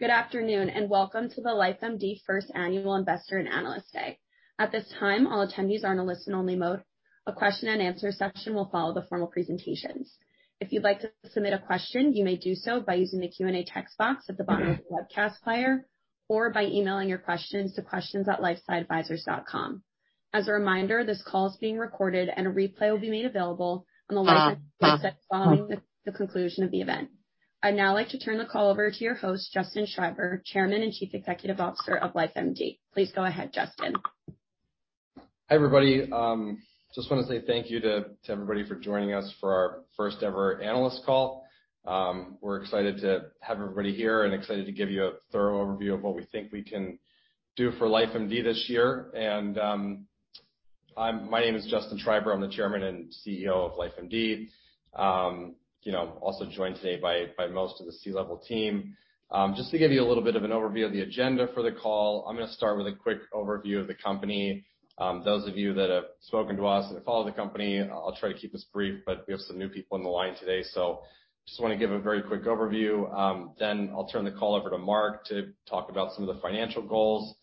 Good afternoon, and welcome to the LifeMD first annual Investor and Analyst Day. At this time, all attendees are in a listen-only mode. A question and answer session will follow the formal presentations. If you'd like to submit a question, you may do so by using the Q&A text box at the bottom of the webcast player or by emailing your questions to questions@lifesciadvisors.com. As a reminder, this call is being recorded and a replay will be made available on the LifeMD website following the conclusion of the event. I'd now like to turn the call over to your host, Justin Schreiber, Chairman and Chief Executive Officer of LifeMD. Please go ahead, Justin. Hi, everybody. Just wanna say thank you to everybody for joining us for our first ever analyst call. We're excited to have everybody here and excited to give you a thorough overview of what we think we can do for LifeMD this year. My name is Justin Schreiber. I'm the Chairman and CEO of LifeMD. You know, also joined today by most of the C-level team. Just to give you a little bit of an overview of the agenda for the call, I'm gonna start with a quick overview of the company. Those of you that have spoken to us and follow the company, I'll try to keep this brief, but we have some new people on the line today, so just wanna give a very quick overview. I'll turn the call over to Mark to talk about some of the financial goals.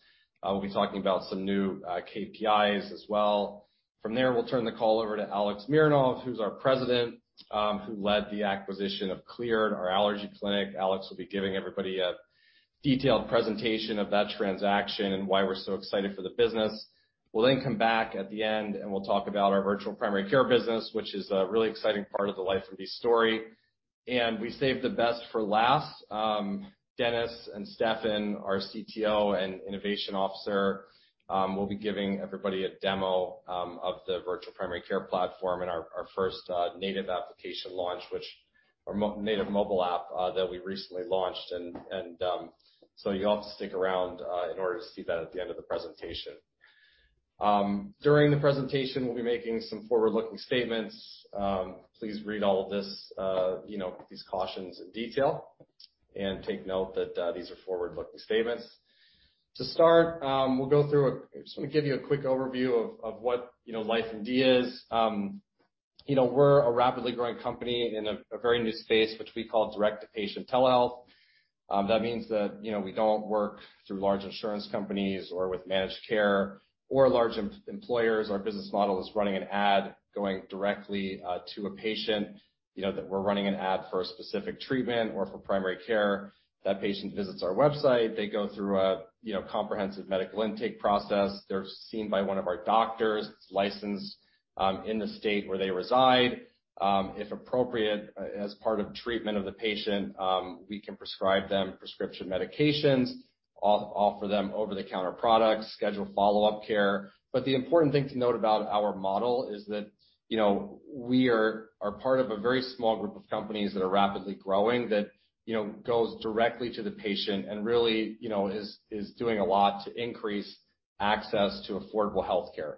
We'll be talking about some new KPIs as well. From there, we'll turn the call over to Alex Mironov, who's our president, who led the acquisition of Cleared, our allergy clinic. Alex will be giving everybody a detailed presentation of that transaction and why we're so excited for the business. We'll then come back at the end, and we'll talk about our virtual primary care business, which is a really exciting part of the LifeMD story. We saved the best for last. Dennis and Stefan, our CTO and innovation officer, will be giving everybody a demo of the virtual primary care platform and our first native application launch, which our native mobile app that we recently launched. You'll have to stick around in order to see that at the end of the presentation. During the presentation, we'll be making some forward-looking statements. Please read all of this, you know, these cautions in detail and take note that these are forward-looking statements. To start, just want to give you a quick overview of what, you know, LifeMD is. You know, we're a rapidly growing company in a very new space, which we call direct-to-patient telehealth. That means that, you know, we don't work through large insurance companies or with managed care or large employers. Our business model is running an ad going directly to a patient, you know, that we're running an ad for a specific treatment or for primary care. That patient visits our website. They go through a you know comprehensive medical intake process. They're seen by one of our doctors. It's licensed in the state where they reside. If appropriate, as part of treatment of the patient, we can prescribe them prescription medications, offer them over-the-counter products, schedule follow-up care. The important thing to note about our model is that you know we are part of a very small group of companies that are rapidly growing that you know goes directly to the patient and really you know is doing a lot to increase access to affordable healthcare.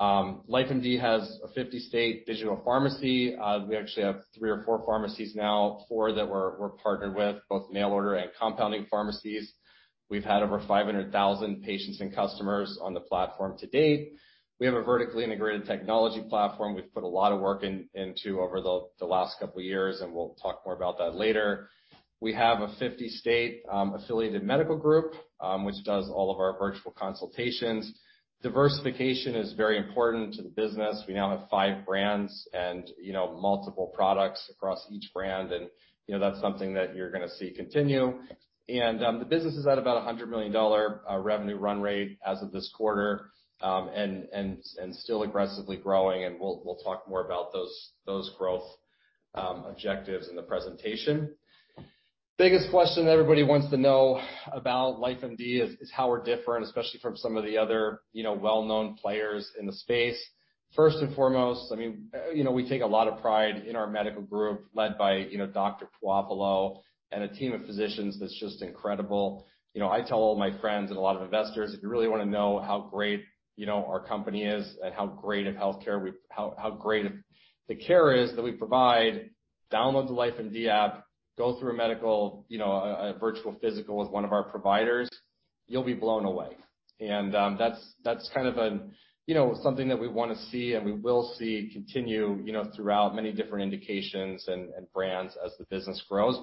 LifeMD has a 50-state digital pharmacy. We actually have three or four pharmacies now, four that we're partnered with, both mail order and compounding pharmacies. We've had over 500,000 patients and customers on the platform to date. We have a vertically integrated technology platform we've put a lot of work into over the last couple years, and we'll talk more about that later. We have a 50-state affiliated medical group, which does all of our virtual consultations. Diversification is very important to the business. We now have five brands and, you know, multiple products across each brand and, you know, that's something that you're gonna see continue. The business is at about a $100 million revenue run rate as of this quarter, and still aggressively growing, and we'll talk more about those growth objectives in the presentation. Biggest question everybody wants to know about LifeMD is how we are different, especially from some of the other, you know, well-known players in the space. First and foremost, I mean, you know, we take a lot of pride in our medical group led by, you know, Dr. Puopolo and a team of physicians that's just incredible. You know, I tell all my friends and a lot of investors, "If you really wanna know how great, you know, our company is and how great the care is that we provide, download the LifeMD app, go through a medical, you know, a virtual physical with one of our providers. You'll be blown away." That's kind of an, you know, something that we wanna see, and we will see continue, you know, throughout many different indications and brands as the business grows.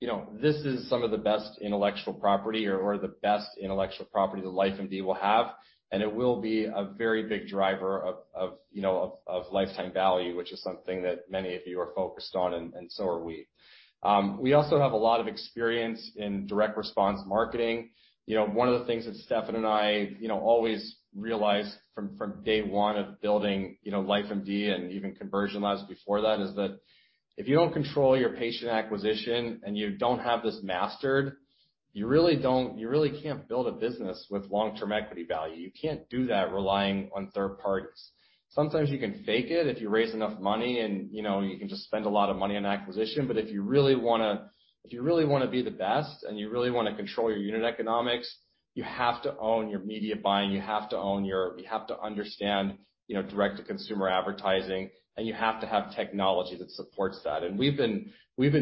You know, this is some of the best intellectual property or the best intellectual property that LifeMD will have, and it will be a very big driver of you know lifetime value, which is something that many of you are focused on and so are we. We also have a lot of experience in direct response marketing. You know, one of the things that Stefan and I you know always realized from day one of building you know LifeMD and even Conversion Labs before that is that if you don't control your patient acquisition and you don't have this mastered, you really can't build a business with long-term equity value. You can't do that relying on third parties. Sometimes you can fake it if you raise enough money and, you know, you can just spend a lot of money on acquisition. If you really wanna be the best and you really wanna control your unit economics, you have to own your media buying. You have to understand, you know, direct-to-consumer advertising, and you have to have technology that supports that. We've been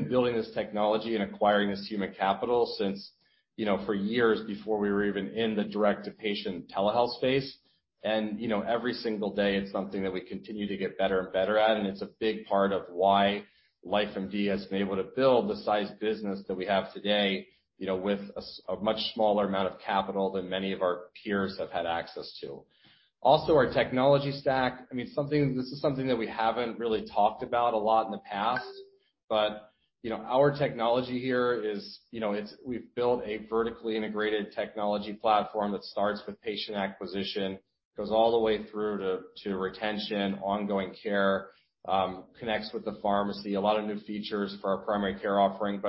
building this technology and acquiring this human capital since, you know, for years before we were even in the direct-to-patient telehealth space. You know, every single day it's something that we continue to get better and better at, and it's a big part of why LifeMD has been able to build the size business that we have today, you know, with a much smaller amount of capital than many of our peers have had access to. Also, our technology stack. I mean, this is something that we haven't really talked about a lot in the past, but, you know, our technology here is, you know, we've built a vertically integrated technology platform that starts with patient acquisition, goes all the way through to retention, ongoing care, connects with the pharmacy, a lot of new features for our primary care offering.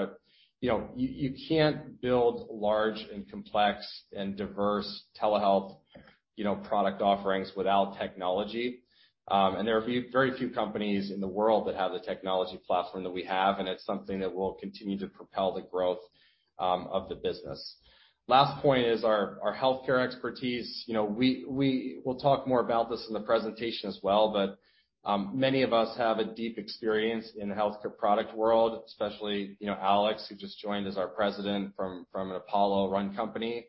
You know, you can't build large and complex and diverse telehealth, you know, product offerings without technology. There are very few companies in the world that have the technology platform that we have, and it's something that will continue to propel the growth of the business. Last point is our healthcare expertise. You know, we will talk more about this in the presentation as well, but many of us have a deep experience in the healthcare product world, especially, you know, Alex, who just joined as our president from an Apollo-run company.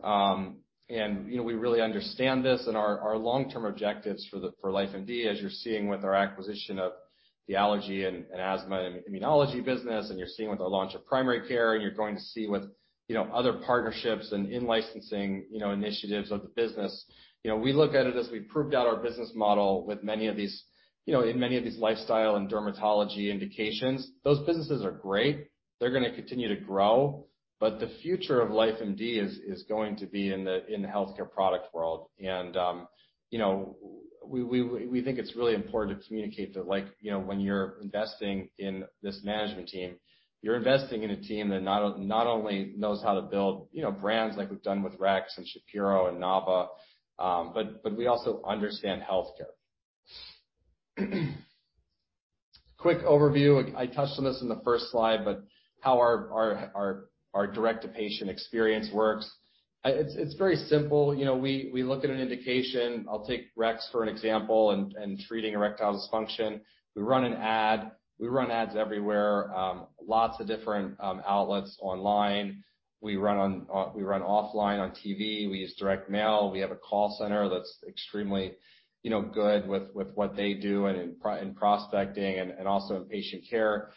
You know, we really understand this and our long-term objectives for LifeMD, as you're seeing with our acquisition of the allergy and asthma and immunology business, and you're seeing with our launch of primary care, and you're going to see with, you know, other partnerships and in-licensing, you know, initiatives of the business. You know, we look at it as we've proved out our business model with many of these, you know, in many of these lifestyle and dermatology indications. Those businesses are great. They're gonna continue to grow, but the future of LifeMD is going to be in the healthcare product world. You know, we think it's really important to communicate that, like, you know, when you're investing in this management team, you're investing in a team that not only knows how to build, you know, brands like we've done with Rex MD and Shapiro MD and NavaMD, but we also understand healthcare. Quick overview, I touched on this in the first slide, but how our direct-to-patient experience works. It's very simple. You know, we look at an indication. I'll take Rex for an example and treating erectile dysfunction. We run an ad. We run ads everywhere, lots of different outlets online. We run offline on TV. We use direct mail. We have a call center that's extremely good with what they do and in prospecting and also in patient care.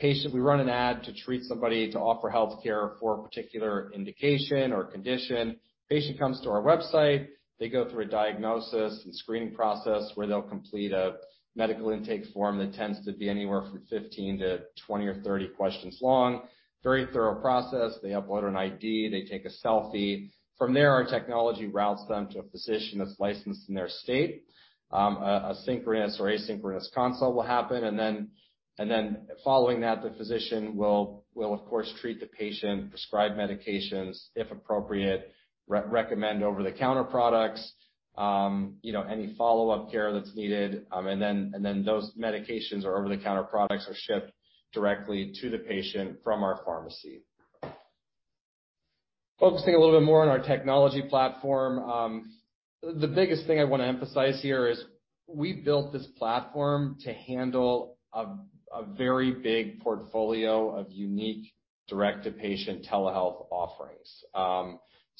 We run an ad to treat somebody to offer healthcare for a particular indication or condition. A patient comes to our website. They go through a diagnosis and screening process where they'll complete a medical intake form that tends to be anywhere from 15-20 or 30 questions long, very thorough process. They upload an ID. They take a selfie. From there, our technology routes them to a physician that's licensed in their state. A synchronous or asynchronous consult will happen. Following that, the physician will of course treat the patient, prescribe medications if appropriate, recommend over-the-counter products, you know, any follow-up care that's needed. Those medications or over-the-counter products are shipped directly to the patient from our pharmacy. Focusing a little bit more on our technology platform, the biggest thing I wanna emphasize here is we built this platform to handle a very big portfolio of unique direct-to-patient telehealth offerings.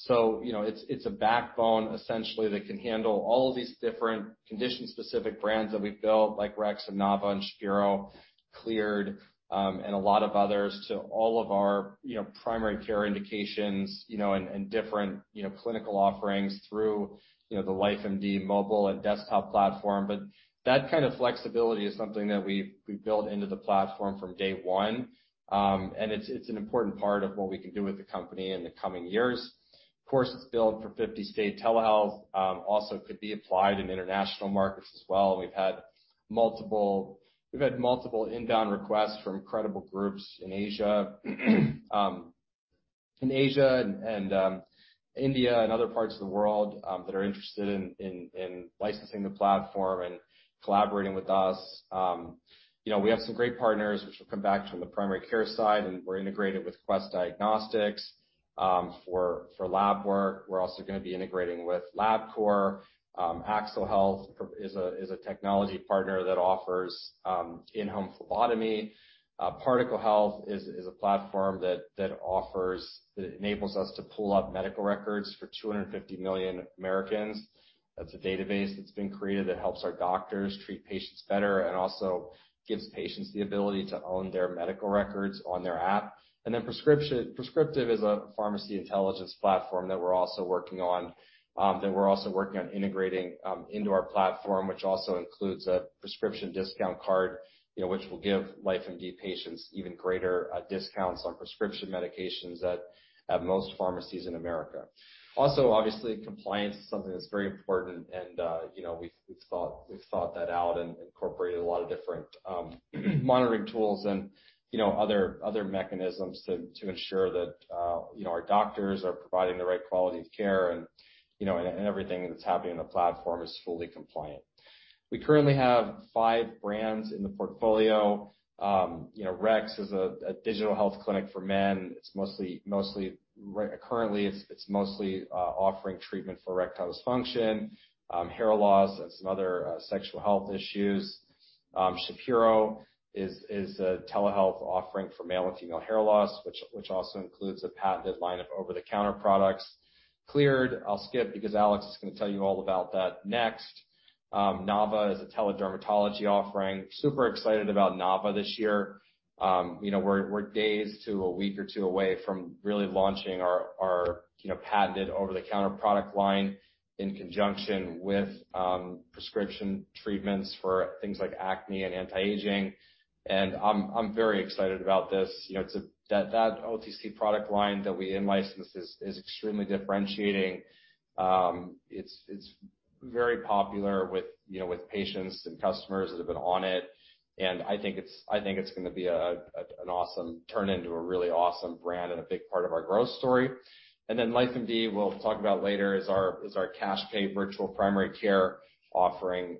You know, it's a backbone essentially that can handle all of these different condition-specific brands that we've built, like Rex and Nava and Shapiro, Cleared, and a lot of others to all of our, you know, primary care indications, you know, and different, you know, clinical offerings through, you know, the LifeMD mobile and desktop platform. That kind of flexibility is something that we've built into the platform from day one. It's an important part of what we can do with the company in the coming years. Of course, it's built for 50-state telehealth, also could be applied in international markets as well. We've had multiple inbound requests from credible groups in Asia and India and other parts of the world that are interested in licensing the platform and collaborating with us. You know, we have some great partners, which we'll come back to on the primary care side, and we're integrated with Quest Diagnostics for lab work. We're also gonna be integrating with Labcorp. Axle Health is a technology partner that offers in-home phlebotomy. Particle Health is a platform that enables us to pull up medical records for 250 million Americans. That's a database that's been created that helps our doctors treat patients better and also gives patients the ability to own their medical records on their app. Prescryptive Health is a pharmacy intelligence platform that we're working on integrating into our platform, which also includes a prescription discount card, you know, which will give LifeMD patients even greater discounts on prescription medications at most pharmacies in America. Obviously, compliance is something that's very important and, you know, we've thought that out and incorporated a lot of different monitoring tools and, you know, other mechanisms to ensure that, you know, our doctors are providing the right quality of care and, you know, and everything that's happening in the platform is fully compliant. We currently have five brands in the portfolio. Rex is a digital health clinic for men. It's currently mostly offering treatment for erectile dysfunction, hair loss and some other sexual health issues. Shapiro is a telehealth offering for male and female hair loss, which also includes a patented line of over-the-counter products. Cleared, I'll skip because Alex is gonna tell you all about that next. Nava is a tele-dermatology offering. Super excited about Nava this year. You know, we're days to a week or two away from really launching our patented over-the-counter product line in conjunction with prescription treatments for things like acne and anti-aging. I'm very excited about this. You know, that OTC product line that we in-licensed is extremely differentiating. It's very popular with patients and customers that have been on it. I think it's gonna be an awesome turn into a really awesome brand and a big part of our growth story. Then LifeMD, we'll talk about later, is our cash pay virtual primary care offering,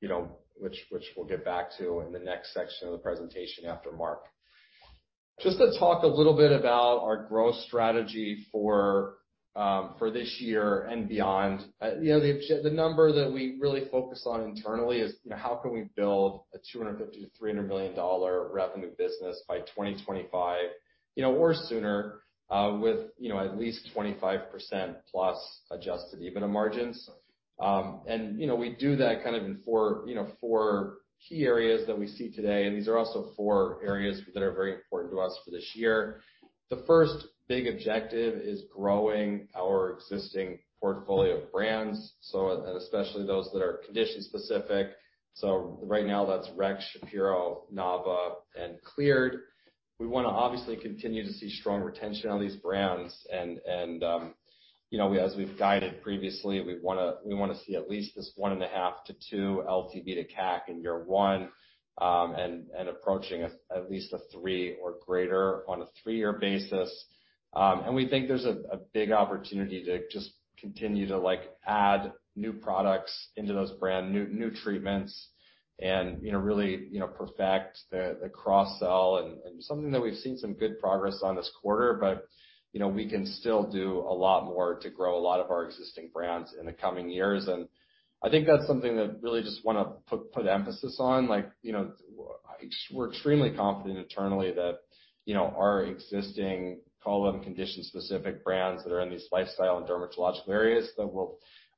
you know, which we'll get back to in the next section of the presentation after Mark. Just to talk a little bit about our growth strategy for this year and beyond. You know, the number that we really focus on internally is, you know, how can we build a $250 million-$300 million revenue business by 2025, you know, or sooner, with, you know, at least 25%+ adjusted EBITDA margins. You know, we do that kind of in four key areas that we see today, and these are also four areas that are very important to us for this year. The first big objective is growing our existing portfolio of brands, and especially those that are condition-specific. Right now, that's Rex, Shapiro, Nava, and Cleared. We want to obviously continue to see strong retention on these brands and, you know, as we've guided previously, we want to see at least 1.5-2 LTV to CAC in year one, and approaching at least 3 or greater on a 3-year basis. We think there's a big opportunity to just continue to, like, add new products into those brands, new treatments and, you know, really perfect the cross-sell and something that we've seen some good progress on this quarter, but, you know, we can still do a lot more to grow a lot of our existing brands in the coming years. I think that's something that we really just want to put emphasis on. Like, you know, we're extremely confident internally that, you know, our existing call them condition-specific brands that are in these lifestyle and dermatological areas.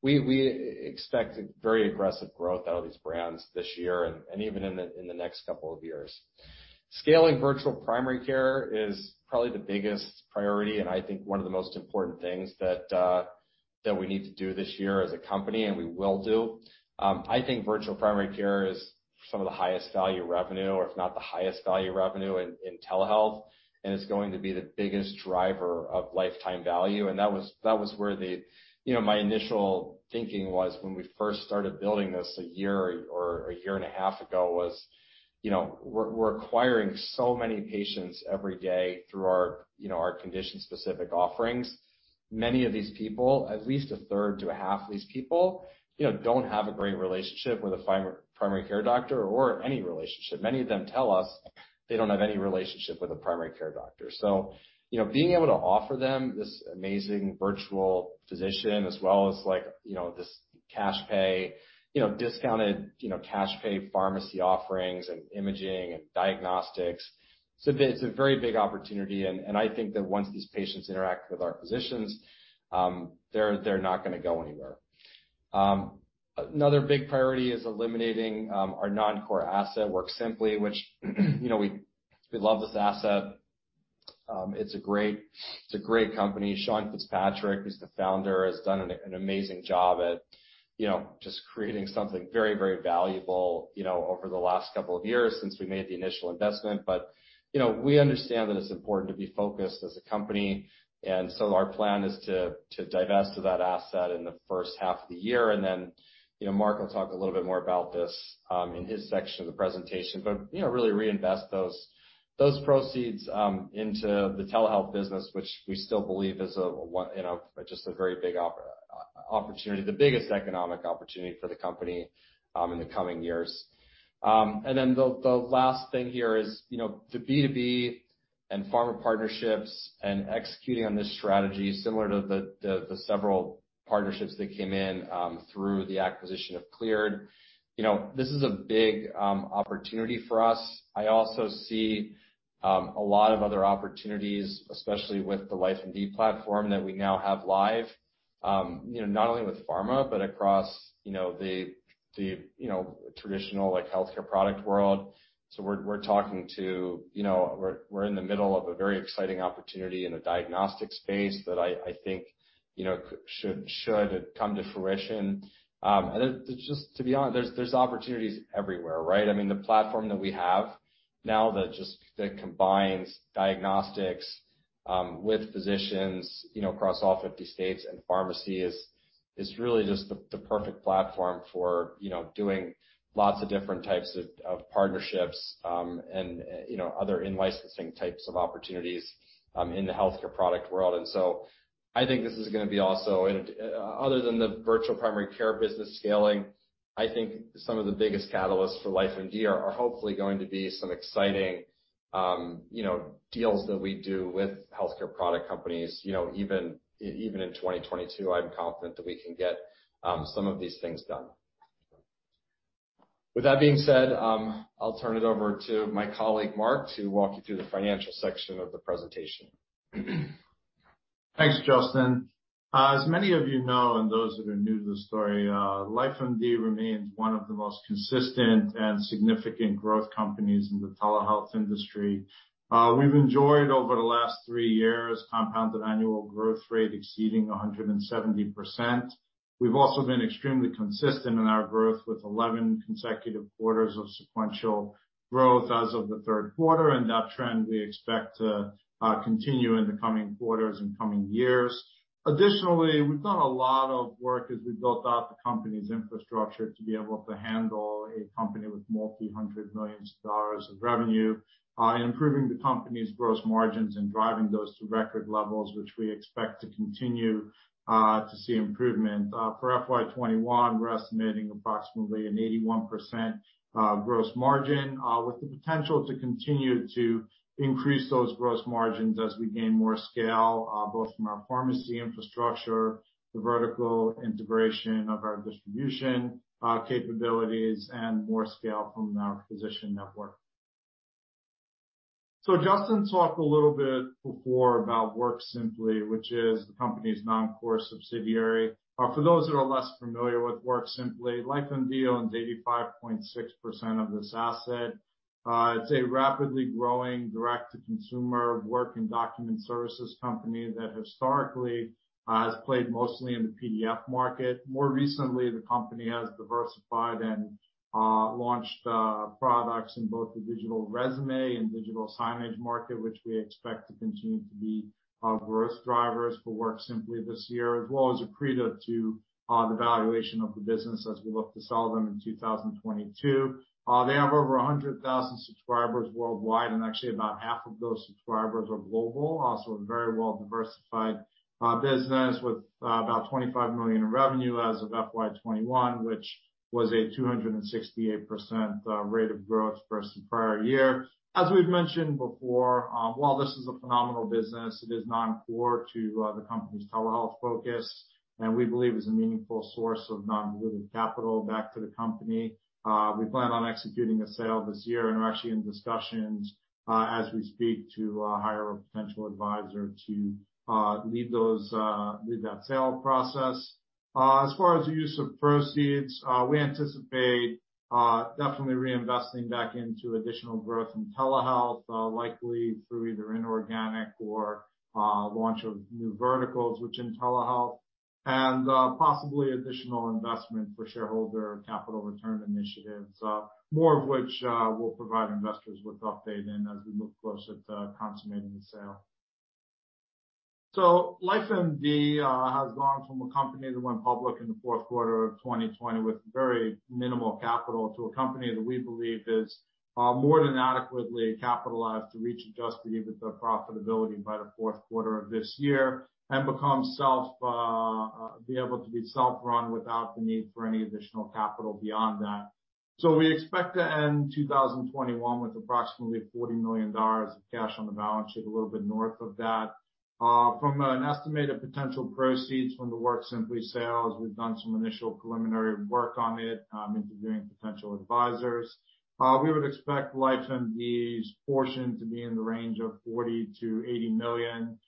We expect very aggressive growth out of these brands this year and even in the next couple of years. Scaling virtual primary care is probably the biggest priority, and I think one of the most important things that we need to do this year as a company, and we will do. I think virtual primary care is some of the highest value revenue, or if not the highest value revenue in telehealth, and it's going to be the biggest driver of lifetime value. That was where the... You know, my initial thinking was when we first started building this a year or a year and a half ago was, you know, we're acquiring so many patients every day through our, you know, our condition-specific offerings. Many of these people, at least a third to a half of these people, you know, don't have a great relationship with a primary care doctor or any relationship. Many of them tell us they don't have any relationship with a primary care doctor. You know, being able to offer them this amazing virtual physician as well as like, you know, this cash pay, you know, discounted, you know, cash pay pharmacy offerings and imaging and diagnostics, it's a very big opportunity and I think that once these patients interact with our physicians, they're not gonna go anywhere. Another big priority is eliminating our non-core asset, WorkSimpli, which, you know, we love this asset. It's a great company. Sean Fitzpatrick, who's the founder, has done an amazing job at, you know, just creating something very valuable, you know, over the last couple of years since we made the initial investment. You know, we understand that it's important to be focused as a company. Our plan is to divest that asset in the first half of the year and then, you know, Mark will talk a little bit more about this in his section of the presentation. You know, really reinvest those proceeds into the telehealth business, which we still believe is a one, you know, just a very big opportunity, the biggest economic opportunity for the company in the coming years. Then the last thing here is, you know, the B2B and pharma partnerships and executing on this strategy similar to the several partnerships that came in through the acquisition of Cleared. You know, this is a big opportunity for us. I also see a lot of other opportunities, especially with the LifeMD platform that we now have live, you know, not only with pharma, but across, you know, the traditional, like, healthcare product world. We are in the middle of a very exciting opportunity in the diagnostic space that I think should come to fruition. Just to be honest, there's opportunities everywhere, right? I mean, the platform that we have now that combines diagnostics with physicians across all 50 states and pharmacies is really just the perfect platform for doing lots of different types of partnerships and other in-licensing types of opportunities in the healthcare product world. I think this is gonna be also. Other than the virtual primary care business scaling, I think some of the biggest catalysts for LifeMD are hopefully going to be some exciting, you know, deals that we do with healthcare product companies, you know, even in 2022, I'm confident that we can get some of these things done. With that being said, I'll turn it over to my colleague, Mark, to walk you through the financial section of the presentation. Thanks, Justin. As many of you know, and those that are new to the story, LifeMD remains one of the most consistent and significant growth companies in the telehealth industry. We've enjoyed over the last three years compounded annual growth rate exceeding 170%. We've also been extremely consistent in our growth with 11 consecutive quarters of sequential growth as of the Q3, and that trend we expect to continue in the coming quarters and coming years. Additionally, we've done a lot of work as we built out the company's infrastructure to be able to handle a company with $multi-hundred millions of revenue, improving the company's gross margins and driving those to record levels, which we expect to continue to see improvement. For FY 2021, we're estimating approximately an 81% gross margin, with the potential to continue to increase those gross margins as we gain more scale, both from our pharmacy infrastructure, the vertical integration of our distribution capabilities, and more scale from our physician network. Justin talked a little bit before about WorkSimpli, which is the company's non-core subsidiary. For those that are less familiar with WorkSimpli, LifeMD owns 85.6% of this asset. It's a rapidly growing direct-to-consumer work and document services company that historically has played mostly in the PDF market. More recently, the company has diversified and launched products in both the digital resume and digital signage market, which we expect to continue to be growth drivers for WorkSimpli this year, as well as accretive to the valuation of the business as we look to sell them in 2022. They have over 100,000 subscribers worldwide, and actually about half of those subscribers are global. It's also a very well-diversified business with about $25 million in revenue as of FY 2021, which was a 268% rate of growth versus prior year. As we have mentioned before, while this is a phenomenal business, it is non-core to the company's telehealth focus, and we believe is a meaningful source of non-diluted capital back to the company. We plan on executing a sale this year and are actually in discussions, as we speak, to hire a potential advisor to lead that sale process. As far as the use of proceeds, we anticipate definitely reinvesting back into additional growth in telehealth, likely through either inorganic or launch of new verticals within telehealth, and possibly additional investment for shareholder capital return initiatives, more of which we'll provide investors with update in as we move closer to consummating the sale. LifeMD has gone from a company that went public in the Q4 of 2020 with very minimal capital to a company that we believe is more than adequately capitalized to reach adjusted EBITDA profitability by the Q4 of this year and become self-run without the need for any additional capital beyond that. We expect to end 2021 with approximately $40 million of cash on the balance sheet, a little bit north of that. From an estimated potential proceeds from the WorkSimpli sale, we've done some initial preliminary work on it, interviewing potential advisors. We would expect LifeMD's portion to be in the range of $40 million-$80 million,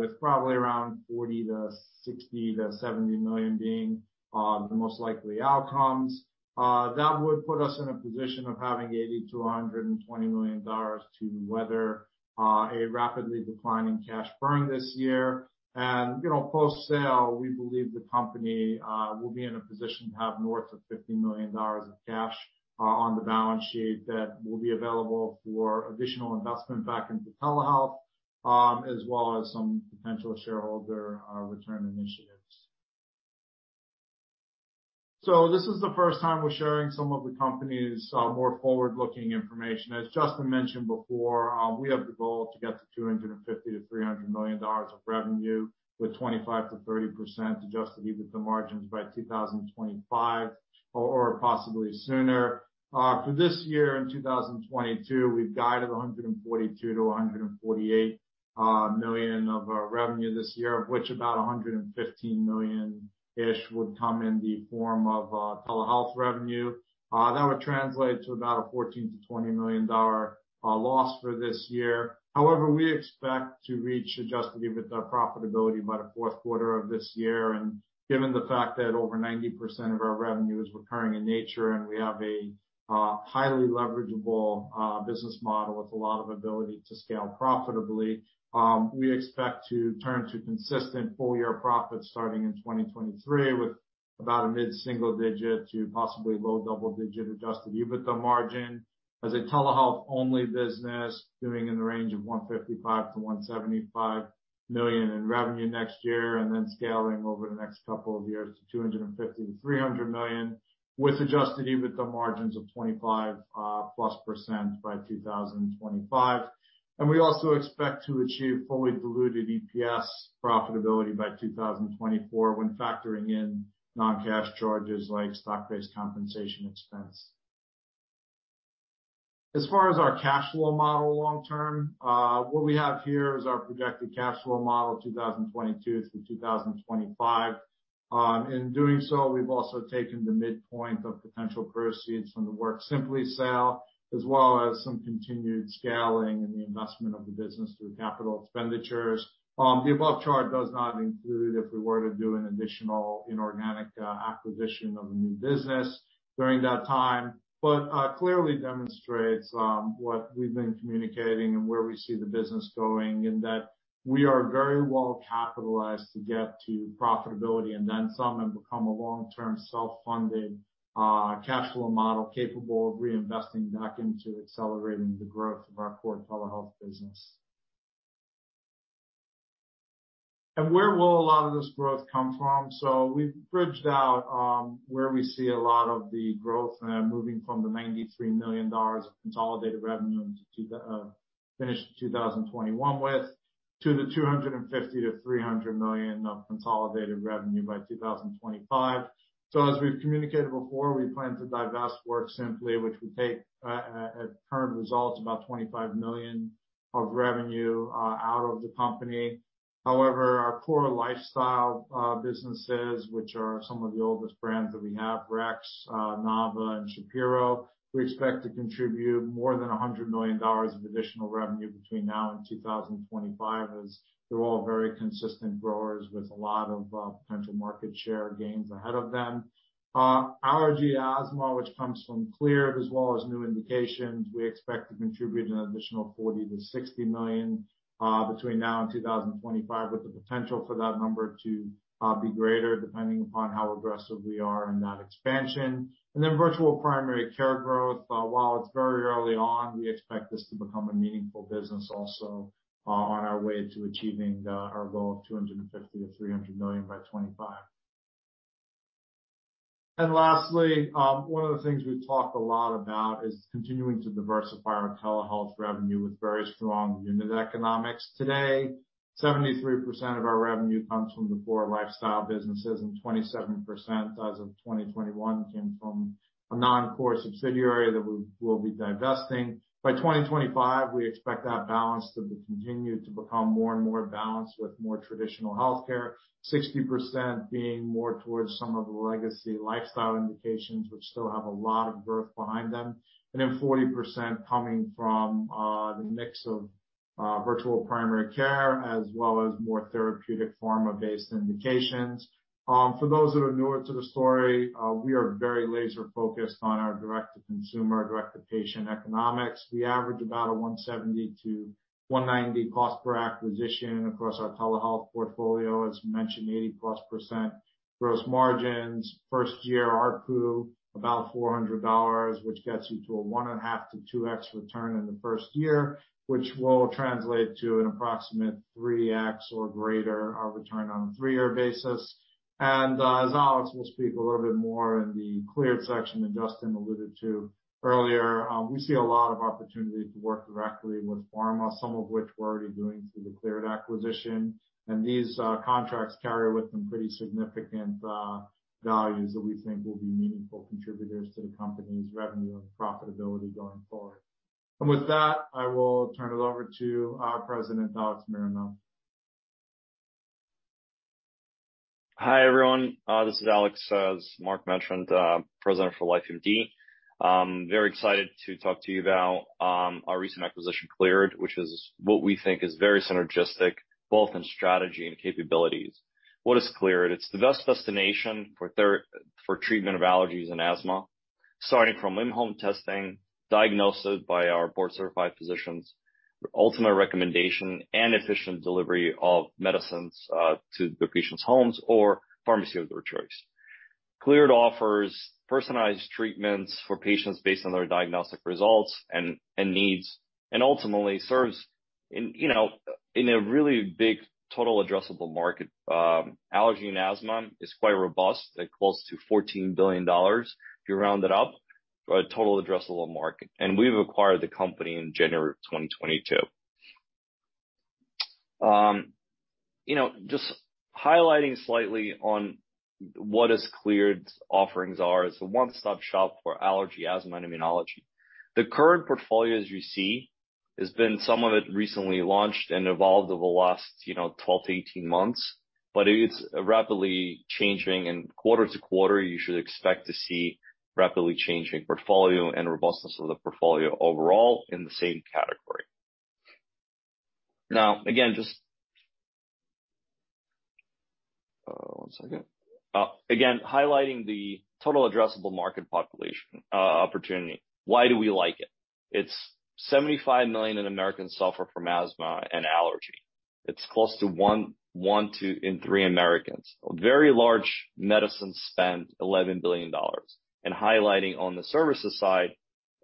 with probably around $40 million-$60 million to $70 million being the most likely outcomes. That would put us in a position of having $80 million-$120 million to weather a rapidly declining cash burn this year. You know, post-sale, we believe the company will be in a position to have north of $50 million of cash on the balance sheet that will be available for additional investment back into telehealth, as well as some potential shareholder return initiatives. This is the first time we're sharing some of the company's more forward-looking information. As Justin mentioned before, we have the goal to get to $250 million-$300 million of revenue with 25%-30% adjusted EBITDA margins by 2025 or possibly sooner. For this year in 2022, we've guided $142 million-$148 million of revenue this year, of which about $115 million-ish would come in the form of telehealth revenue. That would translate to about a $14 million-$20 million loss for this year. However, we expect to reach adjusted EBITDA profitability by the Q4 of this year. Given the fact that over 90% of our revenue is recurring in nature and we have a highly leverageable business model with a lot of ability to scale profitably, we expect to turn to consistent full-year profits starting in 2023 with about a mid-single digit to possibly low double-digit adjusted EBITDA margin as a telehealth-only business doing in the range of $155 million-$175 million in revenue next year and then scaling over the next couple of years to $250 million-$300 million with adjusted EBITDA margins of 25%+ by 2025. We also expect to achieve fully diluted EPS profitability by 2024 when factoring in non-cash charges like stock-based compensation expense. As far as our cash flow model long term, what we have here is our projected cash flow model 2022 through 2025. In doing so, we've also taken the midpoint of potential proceeds from the WorkSimpli sale, as well as some continued scaling in the investment of the business through capital expenditures. The above chart does not include if we were to do an additional inorganic acquisition of a new business during that time, but clearly demonstrates what we've been communicating and where we see the business going, in that we are very well capitalized to get to profitability and then some have become a long-term self-funded cash flow model capable of reinvesting back into accelerating the growth of our core telehealth business. Where will a lot of this growth come from? We've bridged out where we see a lot of the growth moving from the $93 million of consolidated revenue we finished 2021 with to the $250 million-$300 million of consolidated revenue by 2025. As we've communicated before, we plan to divest WorkSimpli, which would take at current results about $25 million of revenue out of the company. However, our core lifestyle businesses, which are some of the oldest brands that we have, Rex MD, NavaMD and Shapiro MD, we expect to contribute more than $100 million of additional revenue between now and 2025, as they're all very consistent growers with a lot of potential market share gains ahead of them. Allergy/asthma, which comes from Cleared as well as new indications, we expect to contribute an additional $40 million-$60 million between now and 2025, with the potential for that number to be greater depending upon how aggressive we are in that expansion. Then virtual primary care growth, while it's very early on, we expect this to become a meaningful business also on our way to achieving our goal of $250 million-$300 million by 2025. Lastly, one of the things we've talked a lot about is continuing to diversify our telehealth revenue with very strong unit economics. Today, 73% of our revenue comes from the four lifestyle businesses, and 27% as of 2021 came from a non-core subsidiary that we will be divesting. By 2025, we expect that balance to be continued to become more and more balanced with more traditional healthcare. 60% being more towards some of the legacy lifestyle indications, which still have a lot of growth behind them. Forty percent coming from, the mix of, virtual primary care as well as more therapeutic pharma-based indications. For those that are newer to the story, we are very laser-focused on our direct to consumer, direct to patient economics. We average about a $170-$190 cost per acquisition across our telehealth portfolio. As mentioned, 80%+ gross margins. First-year ARPU, about $400, which gets you to a 1.5x-2x return in the first year, which will translate to an approximate 3x or greater, return on a three-year basis. As Alex will speak a little bit more in the Cleared section that Justin alluded to earlier, we see a lot of opportunity to work directly with pharma, some of which we're already doing through the Cleared acquisition. These contracts carry with them pretty significant values that we think will be meaningful contributors to the company's revenue and profitability going forward. With that, I will turn it over to our president, Alexander Mironov. Hi, everyone. This is Alex, President for LifeMD. Very excited to talk to you about our recent acquisition, Cleared, which is what we think is very synergistic, both in strategy and capabilities. What is Cleared? It's the best destination for treatment of allergies and asthma, starting from in-home testing, diagnosis by our board-certified physicians, the ultimate recommendation and efficient delivery of medicines to the patient's homes or pharmacy of their choice. Cleared offers personalized treatments for patients based on their diagnostic results and needs, and ultimately serves in, you know, in a really big total addressable market. Allergy and asthma is quite robust, at close to $14 billion, if you round it up, for a total addressable market. We've acquired the company in January 2022. Just highlighting slightly on what Cleared's offerings are. It's a one-stop shop for allergy, asthma, and immunology. The current portfolio, as you see, has been some of it recently launched and evolved over the last, you know, 12-18 months. It's rapidly changing. Quarter to quarter, you should expect to see rapidly changing portfolio and robustness of the portfolio overall in the same category. Now again, just one second. Again, highlighting the total addressable market population opportunity. Why do we like it? It's 75 million Americans suffer from asthma and allergy. It's close to one in three Americans. A very large medicine spend, $11 billion. Highlighting on the services side,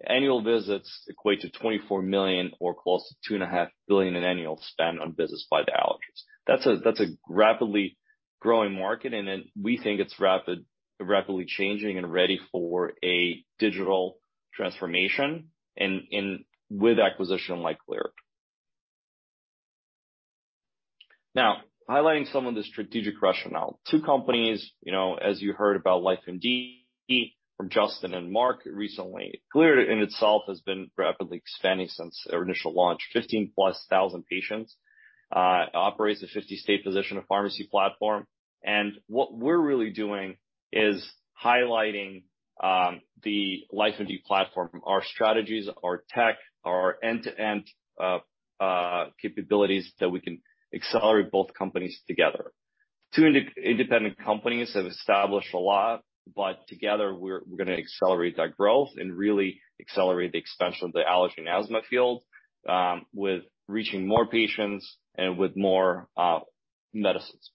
annual visits equate to 24 million or close to $2.5 billion in annual spend on visits by the allergists. That's a rapidly growing market, and then we think it's rapidly changing and ready for a digital transformation and with acquisition like Cleared. Now, highlighting some of the strategic rationale. Two companies, you know, as you heard about LifeMD from Justin and Mark recently. Cleared in itself has been rapidly expanding since our initial launch. 15,000+ patients. Operates a 50-state physician and pharmacy platform. What we are really doing is highlighting the LifeMD platform from our strategies, our tech, our end-to-end capabilities that we can accelerate both companies together. Two independent companies have established a lot, but together we're gonna accelerate that growth and really accelerate the expansion of the allergy and asthma field with reaching more patients and with more medicines.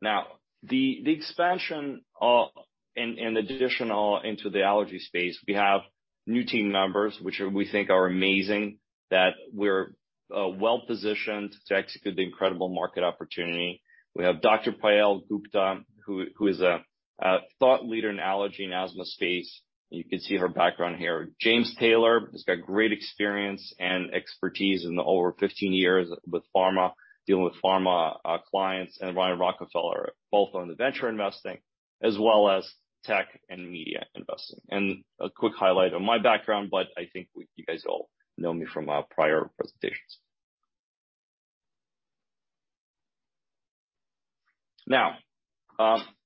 Now, the expansion and additional into the allergy space, we have new team members which we think are amazing, that we're well-positioned to execute the incredible market opportunity. We have Dr. Payal Gupta who is a thought leader in allergy and asthma space. You can see her background here. James Taylor has got great experience and expertise in the over 15 years with pharma, dealing with pharma clients, and Ryan Rockefeller, both on the venture investing as well as tech and media investing. A quick highlight on my background, but I think you guys all know me from our prior presentations. Now,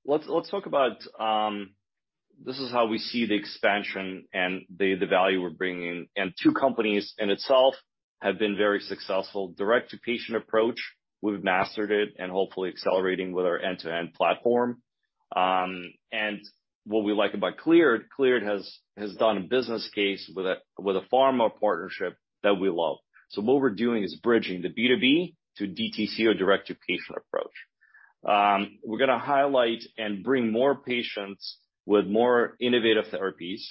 let's talk about. This is how we see the expansion and the value we're bringing. Two companies in itself have been very successful. Direct to patient approach, we've mastered it and hopefully accelerating with our end-to-end platform. What we like about Cleared has done a business case with a pharma partnership that we love. What we're doing is bridging the B2B to DTC or direct to patient approach. We're gonna highlight and bring more patients with more innovative therapies.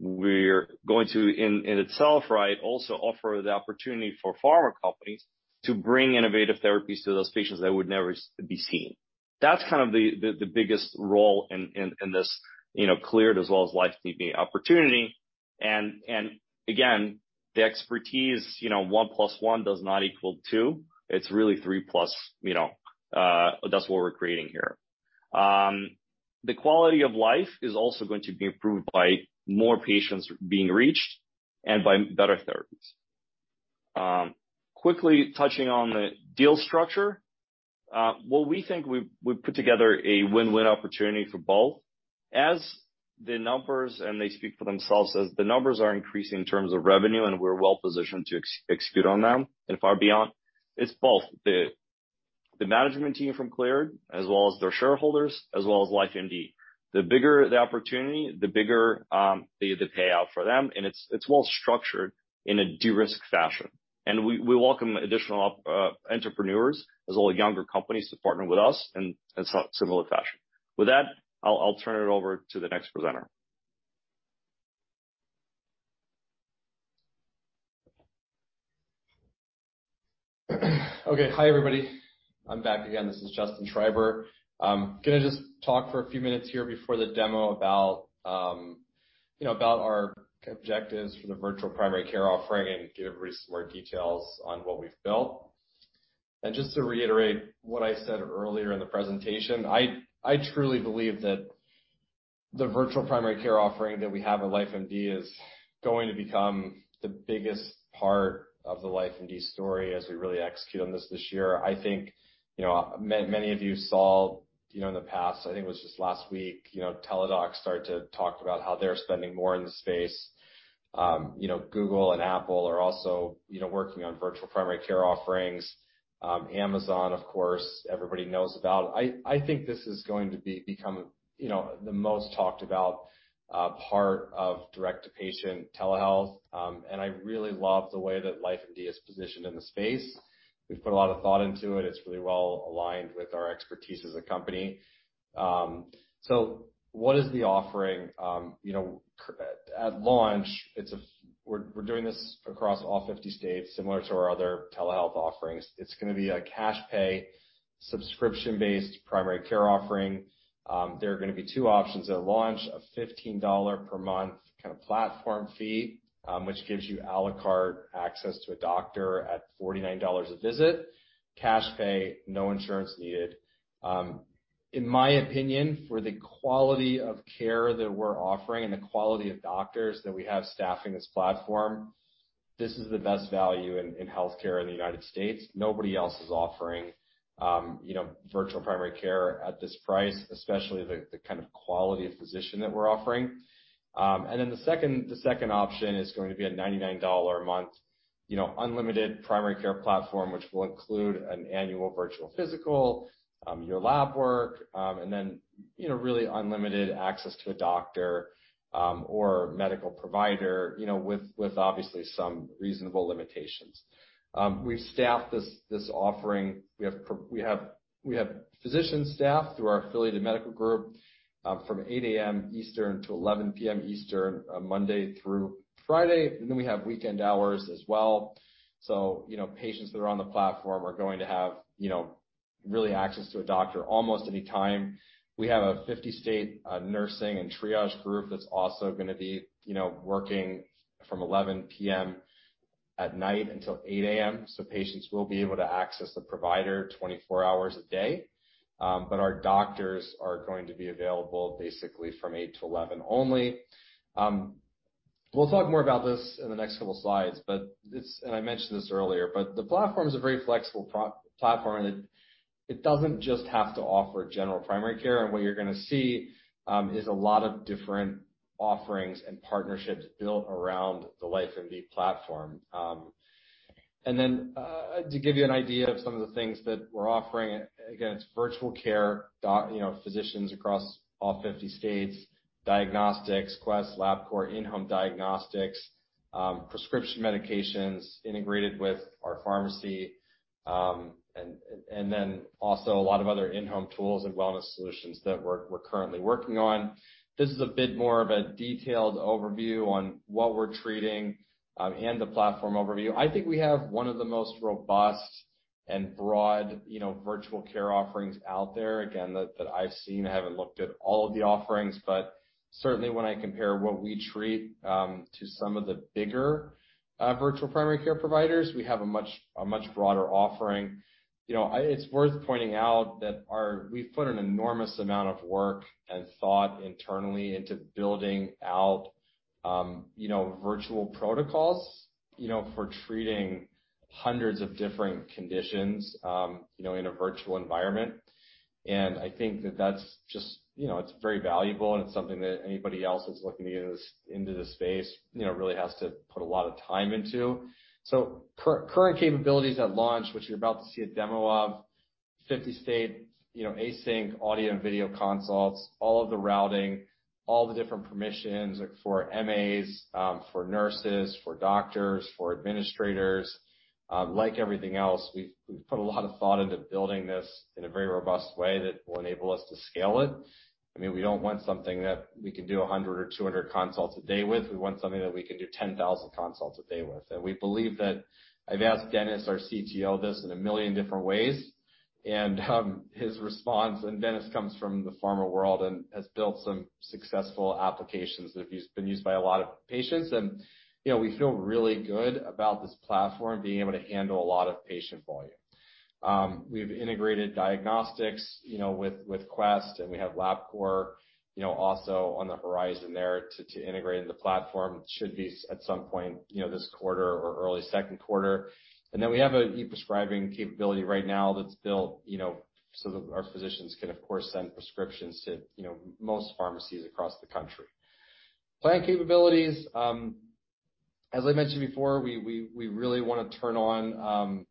We're going to in itself, right, also offer the opportunity for pharma companies to bring innovative therapies to those patients that would never be seen. That's kind of the biggest role in this, you know, Cleared as well as LifeMD opportunity. Again, the expertise, you know, one plus one does not equal two. It's really three plus, you know. That's what we're creating here. The quality of life is also going to be improved by more patients being reached and by better therapies. Quickly touching on the deal structure. Well, we think we've put together a win-win opportunity for both. As the numbers, and they speak for themselves, as the numbers are increasing in terms of revenue, and we're well positioned to execute on them and far beyond, it's both the management team from Cleared, as well as their shareholders, as well as LifeMD. The bigger the opportunity, the bigger the payout for them, and it's well structured in a de-risk fashion. We welcome additional entrepreneurs as well as younger companies to partner with us in a similar fashion. With that, I'll turn it over to the next presenter. Okay. Hi, everybody. I'm back again. This is Justin Schreiber. I'm gonna just talk for a few minutes here before the demo about you know, about our objectives for the virtual primary care offering and give everybody some more details on what we've built. Just to reiterate what I said earlier in the presentation, I truly believe that the virtual primary care offering that we have at LifeMD is going to become the biggest part of the LifeMD story as we really execute on this this year. I think, you know, many of you saw, you know, in the past, I think it was just last week, you know, Teladoc start to talk about how they're spending more in the space. You know, Google and Apple are also, you know, working on virtual primary care offerings. Amazon, of course, everybody knows about. I think this is going to become, you know, the most talked about part of direct to patient telehealth. I really love the way that LifeMD is positioned in the space. We've put a lot of thought into it. It's really well aligned with our expertise as a company. What is the offering? You know, at launch, we're doing this across all 50 states, similar to our other telehealth offerings. It's gonna be a cash pay, subscription-based primary care offering. There are gonna be two options at launch, a $15 per month kind of platform fee, which gives you à la carte access to a doctor at $49 a visit, cash pay, no insurance needed. In my opinion, for the quality of care that we're offering and the quality of doctors that we have staffing this platform, this is the best value in healthcare in the United States. Nobody else is offering, you know, virtual primary care at this price, especially the kind of quality of physician that we're offering. The second option is going to be a $99 a month, you know, unlimited primary care platform, which will include an annual virtual physical, your lab work, and then, you know, really unlimited access to a doctor, or medical provider, you know, with obviously some reasonable limitations. We've staffed this offering. We have physician staff through our affiliated medical group, from 8 A.M. Eastern to 11 P.M. Eastern, Monday through Friday. We have weekend hours as well. You know, patients that are on the platform are going to have, you know, really access to a doctor almost any time. We have a 50-state nursing and triage group that's also gonna be, you know, working from 11:00 P.M. at night until 8:00 A.M. Patients will be able to access a provider 24 hours a day. But our doctors are going to be available basically from 8:00 A.M. to 11:00 P.M. only. We'll talk more about this in the next couple slides, but it's and I mentioned this earlier, but the platform is a very flexible platform, and it doesn't just have to offer general primary care. What you're gonna see is a lot of different offerings and partnerships built around the LifeMD platform. To give you an idea of some of the things that we're offering, again, it's virtual care, you know, physicians across all 50 states, diagnostics, Quest, Labcorp in-home diagnostics, prescription medications integrated with our pharmacy, and then also a lot of other in-home tools and wellness solutions that we're currently working on. This is a bit more of a detailed overview on what we're treating, and the platform overview. I think we have one of the most robust and broad, you know, virtual care offerings out there, again, that I've seen. I haven't looked at all of the offerings, but certainly when I compare what we treat to some of the bigger virtual primary care providers, we have a much broader offering. You know, I... It's worth pointing out that we've put an enormous amount of work and thought internally into building out, you know, virtual protocols, you know, for treating hundreds of different conditions, you know, in a virtual environment. I think that that's just, you know, it's very valuable, and it's something that anybody else that's looking to get into this, into this space, you know, really has to put a lot of time into. Current capabilities at launch, which you're about to see a demo of, 50-state, you know, async audio and video consults, all of the routing, all the different permissions, like, for MAs, for nurses, for doctors, for administrators. Like everything else, we've put a lot of thought into building this in a very robust way that will enable us to scale it. I mean, we don't want something that we can do 100 or 200 consults a day with. We want something that we can do 10,000 consults a day with. We believe that I've asked Dennis, our CTO, this in 1 million different ways, and his response, and Dennis comes from the pharma world and has built some successful applications that have been used by a lot of patients. You know, we feel really good about this platform being able to handle a lot of patient volume. We've integrated diagnostics, you know, with Quest, and we have Labcorp, you know, also on the horizon there to integrate in the platform. Should be at some point, you know, this quarter or early second quarter. We have an e-prescribing capability right now that's built, you know, so that our physicians can, of course, send prescriptions to, you know, most pharmacies across the country. Planned capabilities, as I mentioned before, we really wanna turn on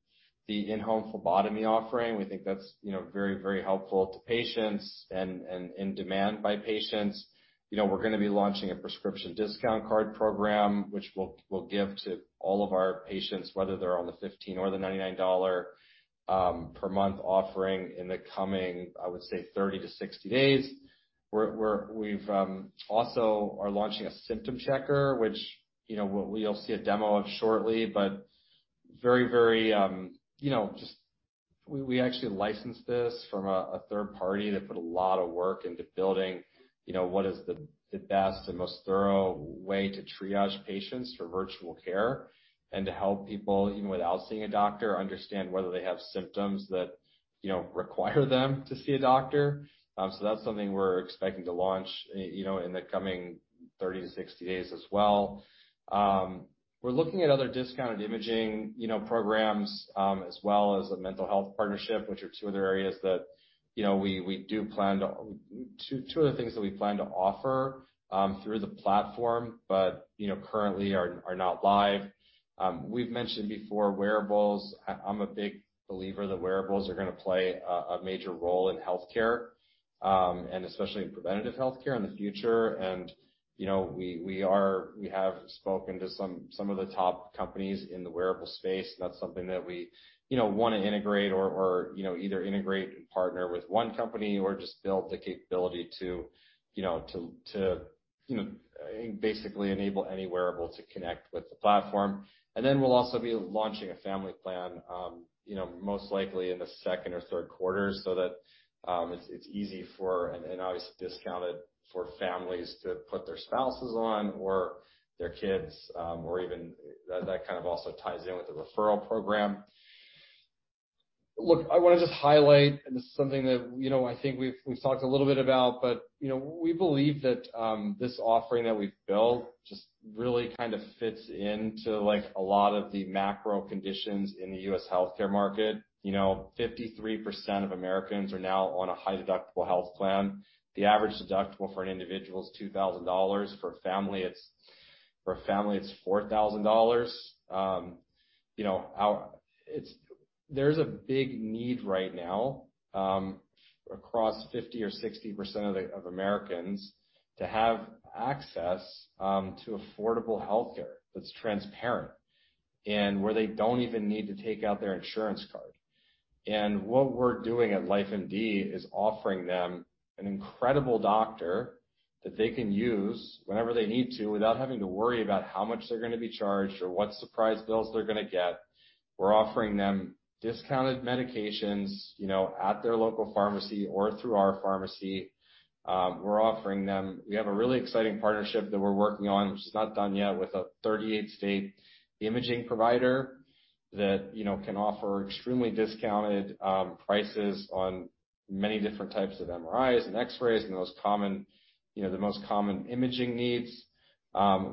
the in-home phlebotomy offering. We think that's, you know, very, very helpful to patients and in demand by patients. You know, we're gonna be launching a prescription discount card program, which we'll give to all of our patients, whether they're on the 15 or the $99 per month offering in the coming, I would say, 30-60 days. We're also launching a symptom checker, which, you know, you'll see a demo of shortly, but very, very, you know, just. We actually licensed this from a third party that put a lot of work into building, you know, what is the best and most thorough way to triage patients for virtual care and to help people, even without seeing a doctor, understand whether they have symptoms that, you know, require them to see a doctor. That's something we're expecting to launch, you know, in the coming 30-60 days as well. We're looking at other discounted imaging, you know, programs, as well as a mental health partnership, which are two other things that we plan to offer through the platform, but, you know, currently are not live. We've mentioned before wearables. I'm a big believer that wearables are gonna play a major role in healthcare, and especially in preventative healthcare in the future. You know, we have spoken to some of the top companies in the wearable space, and that's something that we wanna integrate or you know, either integrate and partner with one company or just build the capability to you know, to basically enable any wearable to connect with the platform. Then we'll also be launching a family plan, you know, most likely in the second or third quarter so that it's easy for and obviously discounted for families to put their spouses on or their kids, or even. That kind of also ties in with the referral program. Look, I wanna just highlight, and this is something that, you know, I think we've talked a little bit about, but, you know, we believe that this offering that we've built just really kind of fits into, like, a lot of the macro conditions in the U.S. healthcare market. You know, 53% of Americans are now on a high-deductible health plan. The average deductible for an individual is $2,000. For a family, it's $4,000. You know, there's a big need right now across 50 or 60% of Americans to have access to affordable healthcare that's transparent and where they don't even need to take out their insurance card. What we are doing at LifeMD is offering them an incredible doctor that they can use whenever they need to without having to worry about how much they're gonna be charged or what surprise bills they're gonna get. We're offering them discounted medications, you know, at their local pharmacy or through our pharmacy. We're offering them a really exciting partnership that we're working on, which is not done yet, with a 38-state imaging provider that, you know, can offer extremely discounted prices on many different types of MRIs and X-rays and the most common, you know, the most common imaging needs.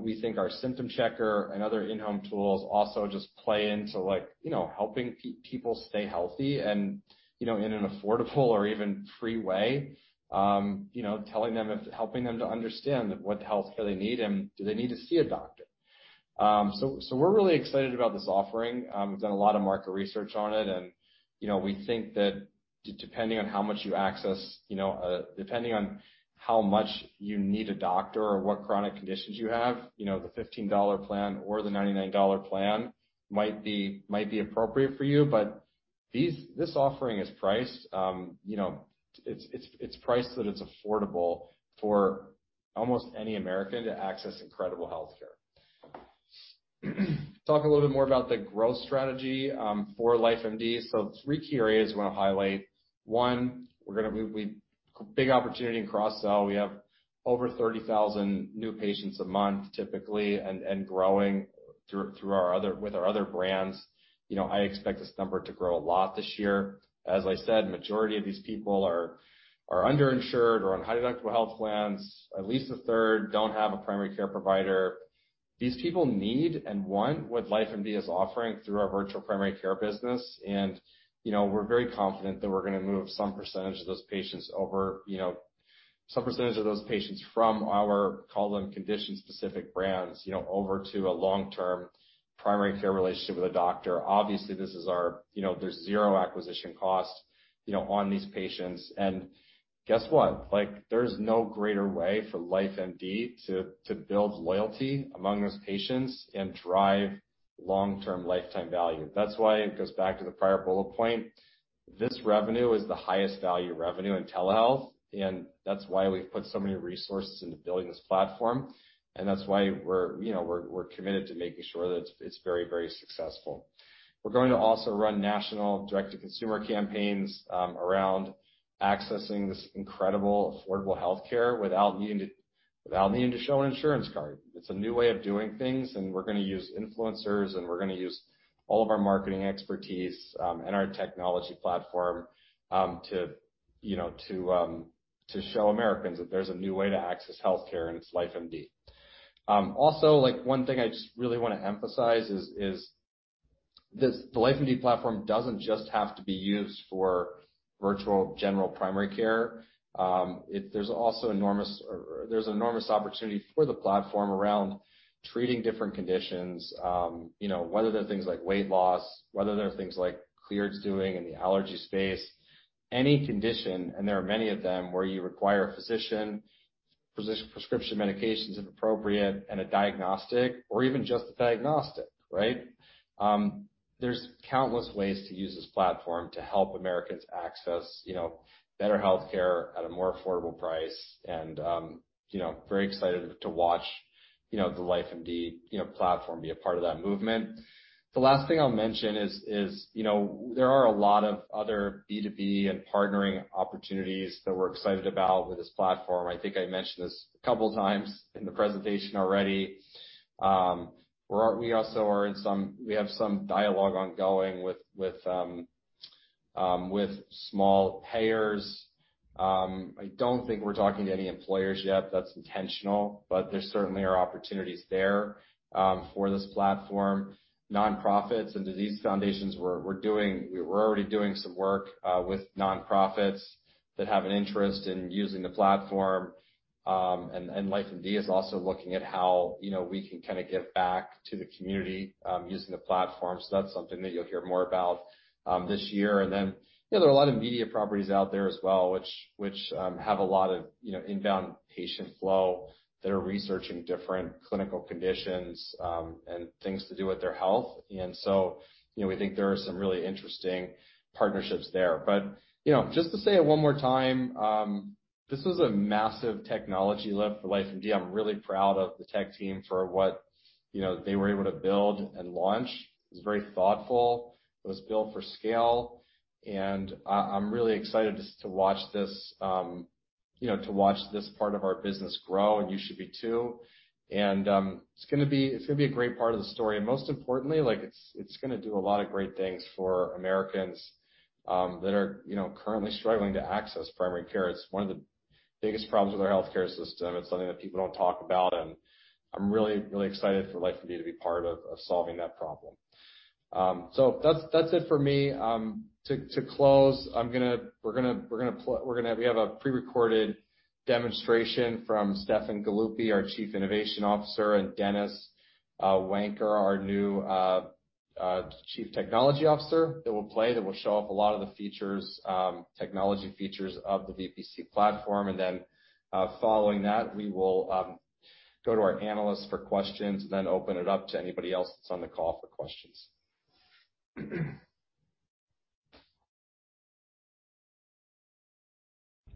We think our symptom checker and other in-home tools also just play into like, you know, helping people stay healthy and, you know, in an affordable or even free way, helping them to understand what healthcare they need and do they need to see a doctor. We're really excited about this offering. We've done a lot of market research on it, and, you know, we think that depending on how much you access, you know, depending on how much you need a doctor or what chronic conditions you have, you know, the $15 plan or the $99 plan might be appropriate for you. This offering is priced so that it's affordable for almost any American to access incredible healthcare. Talk a little bit more about the growth strategy for LifeMD. Three key areas we wanna highlight. One, big opportunity in cross-sell. We have over 30,000 new patients a month typically and growing through our other brands. You know, I expect this number to grow a lot this year. As I said, majority of these people are underinsured or on high deductible health plans. At least a third don't have a primary care provider. These people need and want what LifeMD is offering through our virtual primary care business. You know, we are very confident that we're gonna move some percentage of those patients over, you know, some percentage of those patients from our, call them condition-specific brands, you know, over to a long-term primary care relationship with a doctor. Obviously, this is our, you know, there's zero acquisition cost, you know, on these patients. Guess what? Like, there's no greater way for LifeMD to build loyalty among those patients and drive long-term lifetime value. That's why it goes back to the prior bullet point. This revenue is the highest value revenue in telehealth, and that's why we've put so many resources into building this platform, and that's why we're, you know, committed to making sure that it's very successful. We're going to also run national direct-to-consumer campaigns around accessing this incredible affordable healthcare without needing to show an insurance card. It's a new way of doing things, and we're gonna use influencers, and we're gonna use all of our marketing expertise, and our technology platform, to show Americans that there's a new way to access healthcare and it's LifeMD. Also, like one thing I just really wanna emphasize is this, the LifeMD platform doesn't just have to be used for virtual general primary care. There's also enormous opportunity for the platform around treating different conditions, you know, whether they're things like weight loss, whether they're things like Cleared's doing in the allergy space. Any condition, and there are many of them, where you require a physician, prescription medications if appropriate, and a diagnostic or even just the diagnostic, right? There's countless ways to use this platform to help Americans access, you know, better healthcare at a more affordable price and, you know, very excited to watch, you know, the LifeMD, you know, platform be a part of that movement. The last thing I'll mention is, you know, there are a lot of other B2B and partnering opportunities that we're excited about with this platform. I think I mentioned this a couple times in the presentation already. We have some dialogue ongoing with small payers. I don't think we're talking to any employers yet. That's intentional. There certainly are opportunities there for this platform. Nonprofits and disease foundations, we're already doing some work with nonprofits that have an interest in using the platform. LifeMD is also looking at how, you know, we can kinda give back to the community, using the platform. That's something that you'll hear more about this year. Then, you know, there are a lot of media properties out there as well, which, have a lot of, you know, inbound patient flow that are researching different clinical conditions, and things to do with their health. You know, we think there are some really interesting partnerships there. You know, just to say it one more time, this was a massive technology lift for LifeMD. I'm really proud of the tech team for what, you know, they were able to build and launch. It was very thoughtful. It was built for scale, and I'm really excited just to watch this part of our business grow, and you should be too. It's gonna be a great part of the story. Most importantly, it's gonna do a lot of great things for Americans that are currently struggling to access primary care. It's one of the biggest problems with our healthcare system. It's something that people don't talk about, and I'm really excited for LifeMD to be part of solving that problem. That's it for me. To close, we're gonna have a pre-recorded demonstration from Stefan Galluppi, our Chief Innovation Officer, and Dennis Wijnker, our new Chief Technology Officer, that will play, that will show off a lot of the features, technology features of the VPC platform. Then, following that, we will go to our analysts for questions, then open it up to anybody else that's on the call for questions.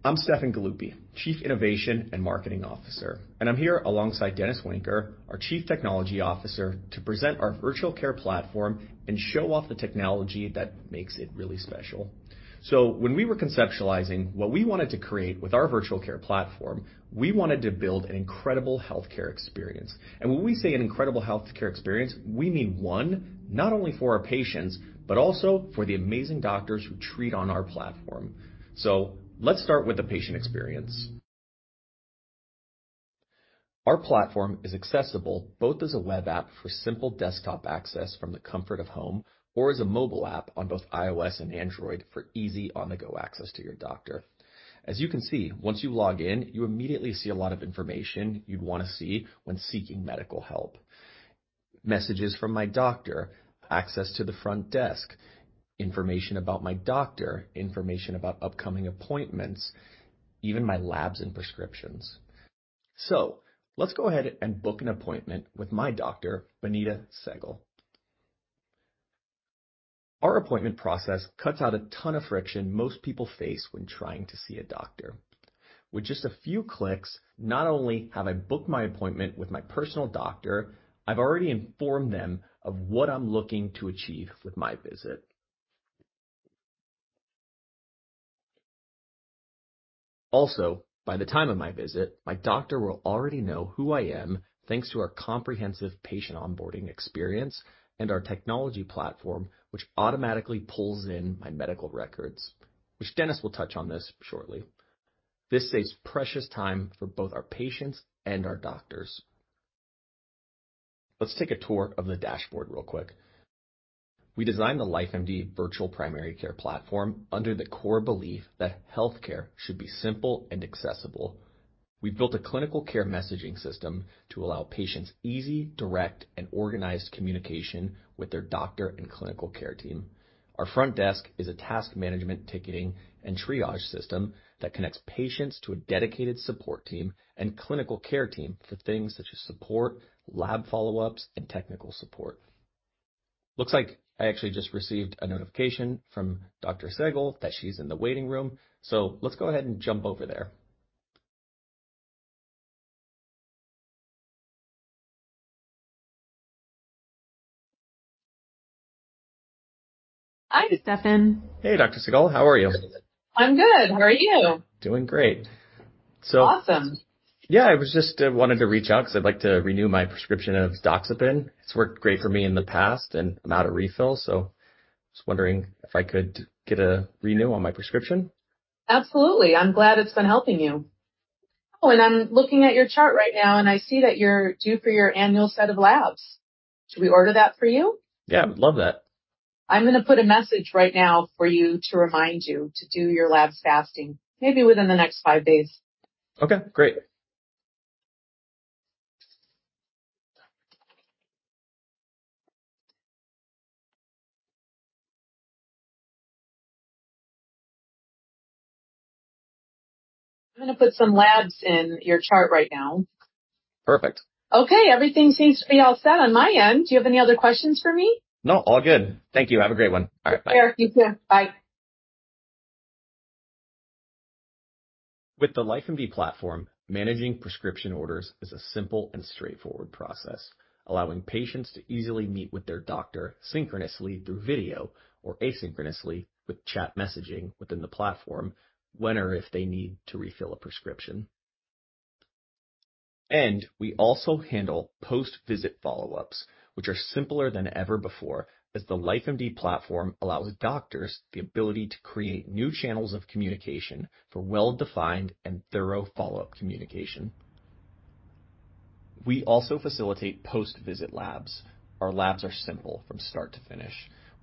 I'm Stefan Galluppi, Chief Innovation and Marketing Officer, and I'm here alongside Dennis Wijnker, our Chief Technology Officer, to present our virtual care platform and show off the technology that makes it really special. When we were conceptualizing what we wanted to create with our virtual care platform, we wanted to build an incredible healthcare experience. When we say an incredible healthcare experience, we mean, one, not only for our patients, but also for the amazing doctors who treat on our platform. Let's start with the patient experience. Our platform is accessible both as a web app for simple desktop access from the comfort of home or as a mobile app on both iOS and Android for easy on-the-go access to your doctor. As you can see, once you log in, you immediately see a lot of information you'd wanna see when seeking medical help. Messages from my doctor, access to the front desk, information about my doctor, information about upcoming appointments, even my labs and prescriptions. Let's go ahead and book an appointment with my doctor, Banita Sehgal. Our appointment process cuts out a ton of friction most people face when trying to see a doctor. With just a few clicks, not only have I booked my appointment with my personal doctor, I've already informed them of what I'm looking to achieve with my visit. Also, by the time of my visit, my doctor will already know who I am, thanks to our comprehensive patient onboarding experience and our technology platform, which automatically pulls in my medical records, which Dennis will touch on this shortly. This saves precious time for both our patients and our doctors. Let's take a tour of the dashboard real quick. We designed the LifeMD virtual primary care platform under the core belief that healthcare should be simple and accessible. We've built a clinical care messaging system to allow patients easy, direct, and organized communication with their doctor and clinical care team. Our front desk is a task management ticketing and triage system that connects patients to a dedicated support team and clinical care team for things such as support, lab follow-ups, and technical support. Looks like I actually just received a notification from Shira Segal that she's in the waiting room. Let's go ahead and jump over there. Hi, Stefan. Hey, Shira Segal. How are you? I'm good. How are you? Doing great. Awesome. Yeah, I wanted to reach out 'cause I'd like to renew my prescription of doxepin. It's worked great for me in the past, and I'm out of refills, so I was wondering if I could get a renewal on my prescription. Absolutely. I'm glad it's been helping you. Oh, and I'm looking at your chart right now, and I see that you're due for your annual set of labs. Should we order that for you? Yeah, I would love that. I'm gonna put a message right now for you to remind you to do your labs fasting, maybe within the next five days. Okay, great. I'm gonna put some labs in your chart right now. Perfect. Okay, everything seems to be all set on my end. Do you have any other questions for me? No, all good. Thank you. Have a great one. All right, bye. You too. Bye. With the LifeMD platform, managing prescription orders is a simple and straightforward process, allowing patients to easily meet with their doctor synchronously through video or asynchronously with chat messaging within the platform when or if they need to refill a prescription. We also handle post-visit follow-ups, which are simpler than ever before, as the LifeMD platform allows doctors the ability to create new channels of communication for well-defined and thorough follow-up communication. We also facilitate post-visit labs. Our labs are simple from start to finish.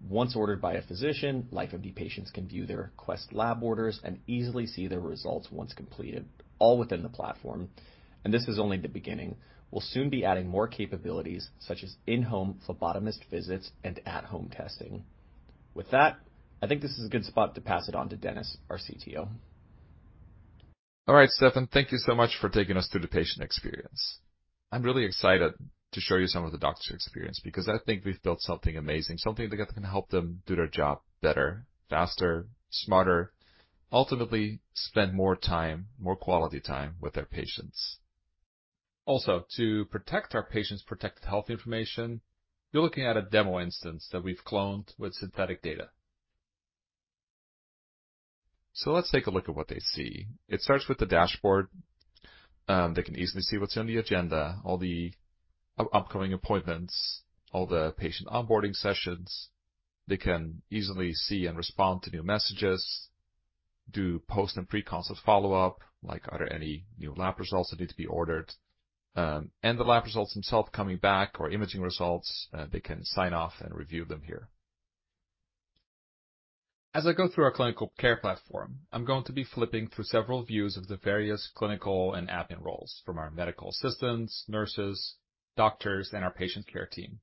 Once ordered by a physician, LifeMD patients can view their Quest lab orders and easily see their results once completed, all within the platform. This is only the beginning. We'll soon be adding more capabilities such as in-home phlebotomist visits and at-home testing. With that, I think this is a good spot to pass it on to Dennis, our CTO. All right, Stefan, thank you so much for taking us through the patient experience. I'm really excited to show you some of the doctor's experience because I think we've built something amazing, something that can help them do their job better, faster, smarter, ultimately spend more time, more quality time with their patients. To protect our patients' protected health information, you're looking at a demo instance that we've cloned with synthetic data. Let's take a look at what they see. It starts with the dashboard. They can easily see what's on the agenda, all the upcoming appointments, all the patient onboarding sessions. They can easily see and respond to new messages, do post and pre-consult follow-up, like are there any new lab results that need to be ordered. The lab results themselves coming back or imaging results, they can sign off and review them here. As I go through our clinical care platform, I'm going to be flipping through several views of the various clinical and admin roles from our medical assistants, nurses, doctors, and our patient care team.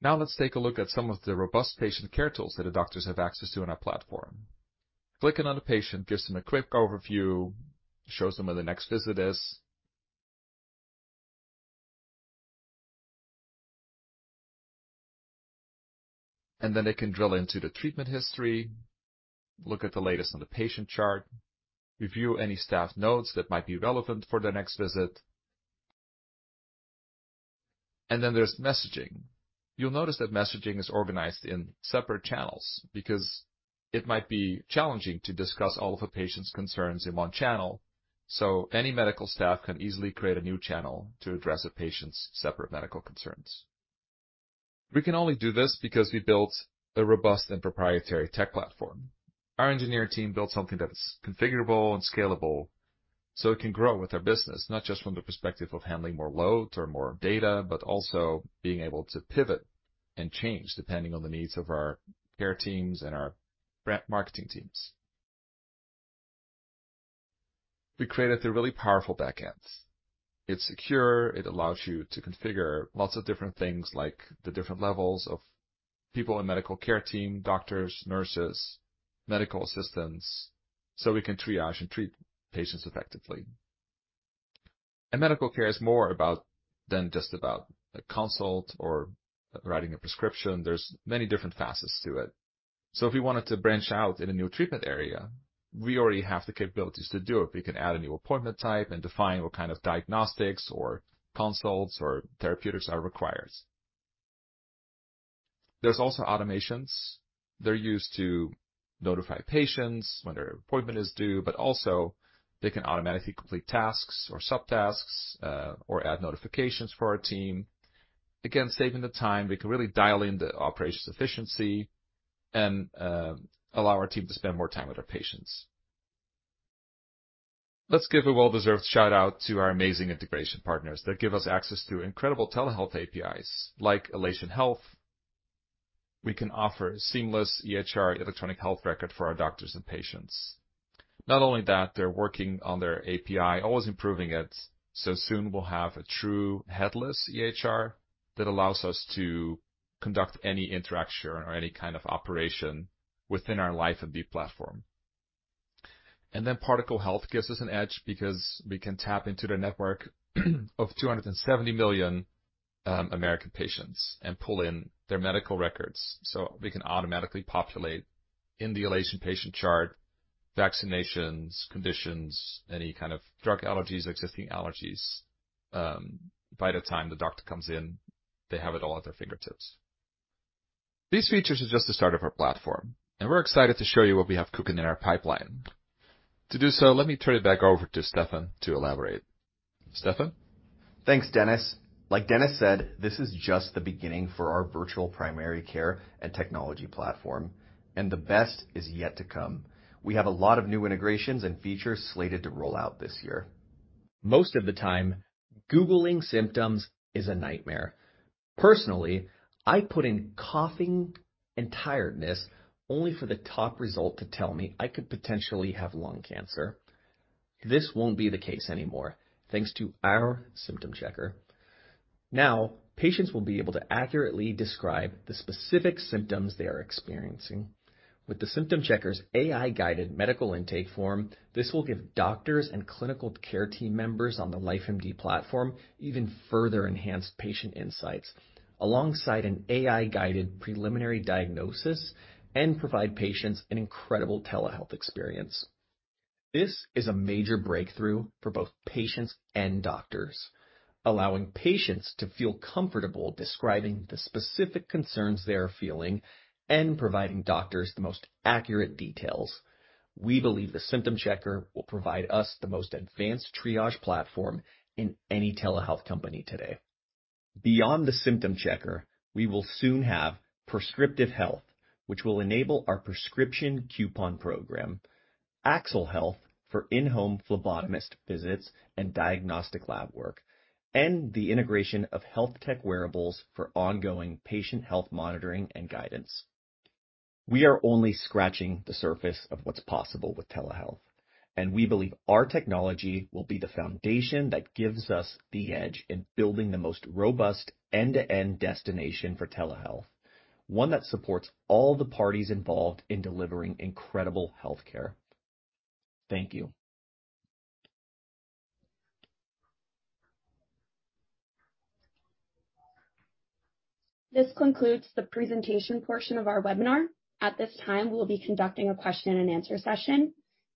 Now let's take a look at some of the robust patient care tools that the doctors have access to on our platform. Clicking on a patient gives them a quick overview, shows them when the next visit is. They can drill into the treatment history, look at the latest on the patient chart, review any staff notes that might be relevant for their next visit. There's messaging. You'll notice that messaging is organized in separate channels because it might be challenging to discuss all of a patient's concerns in one channel. Any medical staff can easily create a new channel to address a patient's separate medical concerns. We can only do this because we built a robust and proprietary tech platform. Our engineering team built something that is configurable and scalable, so it can grow with our business, not just from the perspective of handling more load or more data, but also being able to pivot and change depending on the needs of our care teams and our brand marketing teams. We created a really powerful backend. It's secure. It allows you to configure lots of different things, like the different levels of people in medical care team, doctors, nurses, medical assistants, so we can triage and treat patients effectively. Medical care is more than just about a consult or writing a prescription. There's many different facets to it. If we wanted to branch out in a new treatment area, we already have the capabilities to do it. We can add a new appointment type and define what kind of diagnostics or consults or therapeutics are required. There's also automations. They're used to notify patients when their appointment is due, but also they can automatically complete tasks or sub-tasks, or add notifications for our team. Again, saving the time, we can really dial in the operations efficiency and, allow our team to spend more time with our patients. Let's give a well-deserved shout-out to our amazing integration partners that give us access to incredible telehealth APIs like Elation Health. We can offer seamless EHR electronic health record for our doctors and patients. Not only that, they're working on their API, always improving it, so soon we'll have a true headless EHR that allows us to conduct any interaction or any kind of operation within our LifeMD platform. Particle Health gives us an edge because we can tap into their network of 270 million American patients and pull in their medical records. We can automatically populate in the Elation patient chart, vaccinations, conditions, any kind of drug allergies, existing allergies. By the time the doctor comes in, they have it all at their fingertips. These features are just the start of our platform, and we're excited to show you what we have cooking in our pipeline. To do so, let me turn it back over to Stefan to elaborate. Stefan? Thanks, Dennis. Like Dennis said, this is just the beginning for our virtual primary care and technology platform, and the best is yet to come. We have a lot of new integrations and features slated to roll out this year. Most of the time, googling symptoms is a nightmare. Personally, I put in coughing and tiredness only for the top result to tell me I could potentially have lung cancer. This won't be the case anymore, thanks to our symptom checker. Now, patients will be able to accurately describe the specific symptoms they are experiencing. With the symptom checker's AI-guided medical intake form, this will give doctors and clinical care team members on the LifeMD platform even further enhanced patient insights alongside an AI-guided preliminary diagnosis and provide patients an incredible telehealth experience. This is a major breakthrough for both patients and doctors, allowing patients to feel comfortable describing the specific concerns they are feeling and providing doctors the most accurate details. We believe the symptom checker will provide us the most advanced triage platform in any telehealth company today. Beyond the symptom checker, we will soon have Prescriptive Health, which will enable our prescription coupon program, Axle Health for in-home phlebotomist visits and diagnostic lab work, and the integration of health tech wearables for ongoing patient health monitoring and guidance. We are only scratching the surface of what's possible with telehealth, and we believe our technology will be the foundation that gives us the edge in building the most robust end-to-end destination for telehealth, one that supports all the parties involved in delivering incredible healthcare. Thank you. This concludes the presentation portion of our webinar. At this time, we'll be conducting a question and answer session.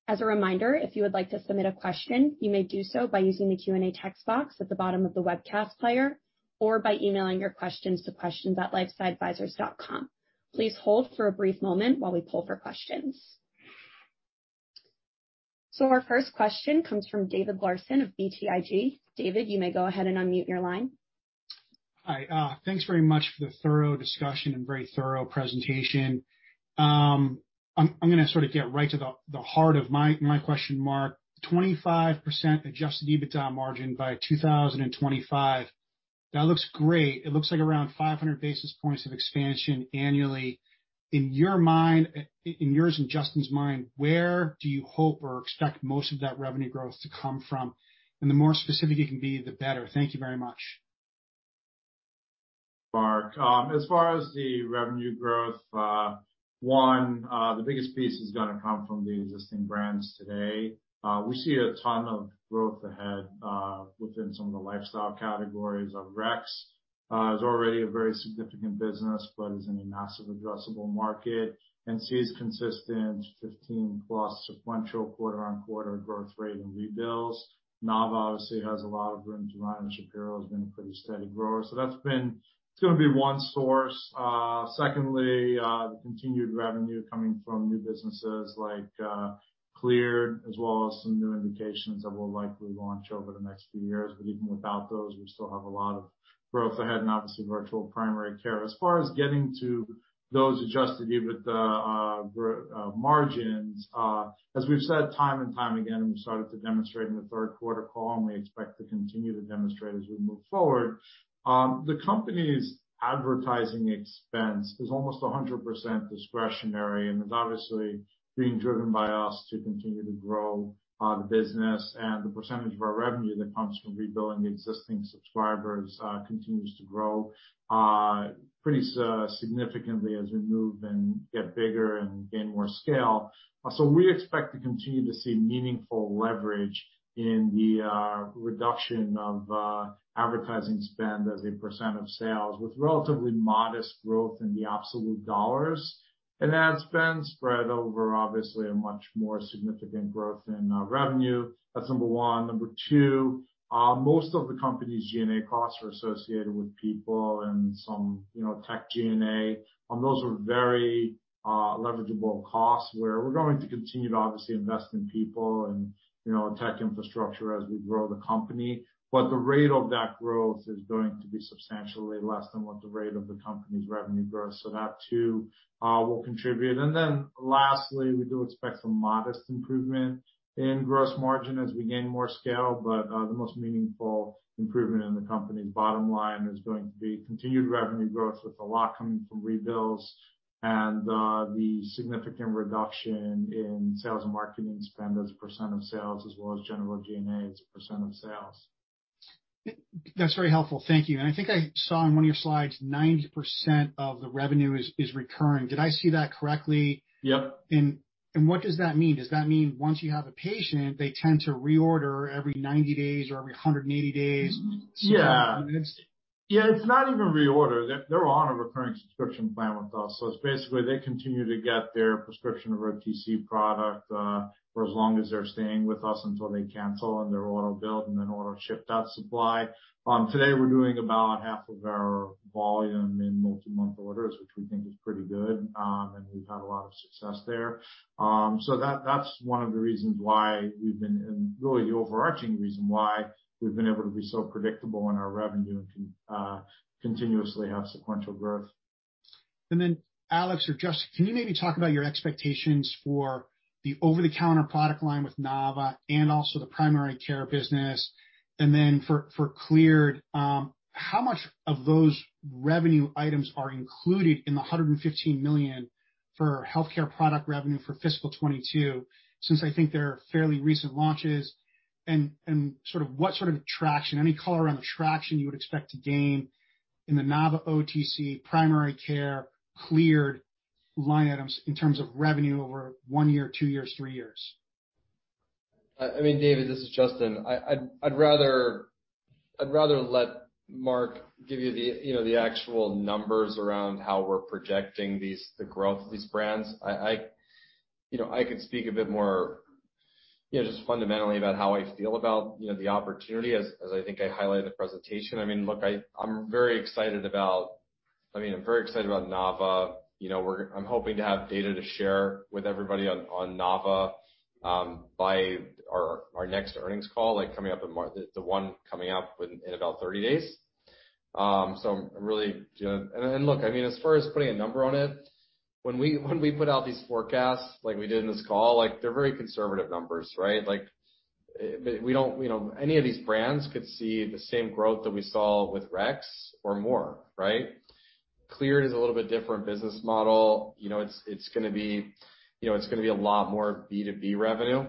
As a reminder, if you would like to submit a question, you may do so by using the Q&A text box at the bottom of the webcast player or by emailing your questions to questions@lifesciadvisors.com. Please hold for a brief moment while we pull for questions. Our first question comes from David Larsen of BTIG. David, you may go ahead and unmute your line. Hi. Thanks very much for the thorough discussion and very thorough presentation. I'm gonna sort of get right to the heart of my question. 25% adjusted EBITDA margin by 2025. That looks great. It looks like around 500 basis points of expansion annually. In your mind, in yours and Justin's mind, where do you hope or expect most of that revenue growth to come from? The more specific you can be, the better. Thank you very much. Marc, as far as the revenue growth, the biggest piece is gonna come from the existing brands today. We see a ton of growth ahead within some of the lifestyle categories of Rex. It's already a very significant business, but is in a massive addressable market, and sees consistent 15+ sequential quarter-on-quarter growth rate in bills. Nava obviously has a lot of room to run, and Shapiro has been a pretty steady grower. That's gonna be one source. Secondly, the continued revenue coming from new businesses like Cleared, as well as some new indications that we'll likely launch over the next few years. Even without those, we still have a lot of growth ahead, and obviously virtual primary care. As far as getting to those adjusted EBITDA margins, as we've said time and time again, and we started to demonstrate in the third quarter call, and we expect to continue to demonstrate as we move forward, the company's advertising expense is almost 100% discretionary and is obviously being driven by us to continue to grow the business. The percentage of our revenue that comes from rebilling existing subscribers continues to grow pretty significantly as we move and get bigger and gain more scale. We expect to continue to see meaningful leverage in the reduction of advertising spend as a percent of sales, with relatively modest growth in the absolute dollars. That spend spread over obviously a much more significant growth in revenue. That's number one. Number two, most of the company's G&A costs are associated with people and some, you know, tech G&A. Those are very leverageable costs where we're going to continue to obviously invest in people and, you know, tech infrastructure as we grow the company. But the rate of that growth is going to be substantially less than what the rate of the company's revenue grows. So that too will contribute. Lastly, we do expect some modest improvement in gross margin as we gain more scale, but the most meaningful improvement in the company's bottom line is going to be continued revenue growth, with a lot coming from rebills and the significant reduction in sales and marketing spend as a percent of sales as well as general G&A as a percent of sales. That's very helpful. Thank you. I think I saw in one of your slides 90% of the revenue is recurring. Did I see that correctly? Yep. What does that mean? Does that mean once you have a patient, they tend to reorder every 90 days or every 180 days? Yeah. Yeah, it's not even reorder. They are on a recurring subscription plan with us. It's basically they continue to get their prescription of our TC product for as long as they're staying with us until they cancel and they're auto-billed, and then auto-ship that supply. Today we're doing about half of our volume in multi-month orders, which we think is pretty good, and we've had a lot of success there. That, that's one of the reasons why we've been, and really the overarching reason why we've been able to be so predictable in our revenue and continuously have sequential growth. Alex or Justin, can you maybe talk about your expectations for the over-the-counter product line with NavaMD and also the primary care business? For Cleared, how much of those revenue items are included in the $115 million for healthcare product revenue for FY 2022, since I think they are fairly recent launches? Sort of what sort of traction, any color on the traction you would expect to gain in the NavaMD OTC primary care Cleared line items in terms of revenue over one year, two years, three years? I mean, David, this is Justin. I'd rather let Marc give you the, you know, the actual numbers around how we're projecting these, the growth of these brands. You know, I could speak a bit more, you know, just fundamentally about how I feel about, you know, the opportunity as I think I highlighted in the presentation. I mean, look, I'm very excited about Nava. You know, I'm hoping to have data to share with everybody on Nava by our next earnings call, like the one coming up in about 30 days. So I'm really, you know. Look, I mean, as far as putting a number on it, when we put out these forecasts like we did in this call, like they're very conservative numbers, right? Like, but we don't, you know, any of these brands could see the same growth that we saw with Rex or more, right? Cleared is a little bit different business model. You know, it's gonna be a lot more B2B revenue,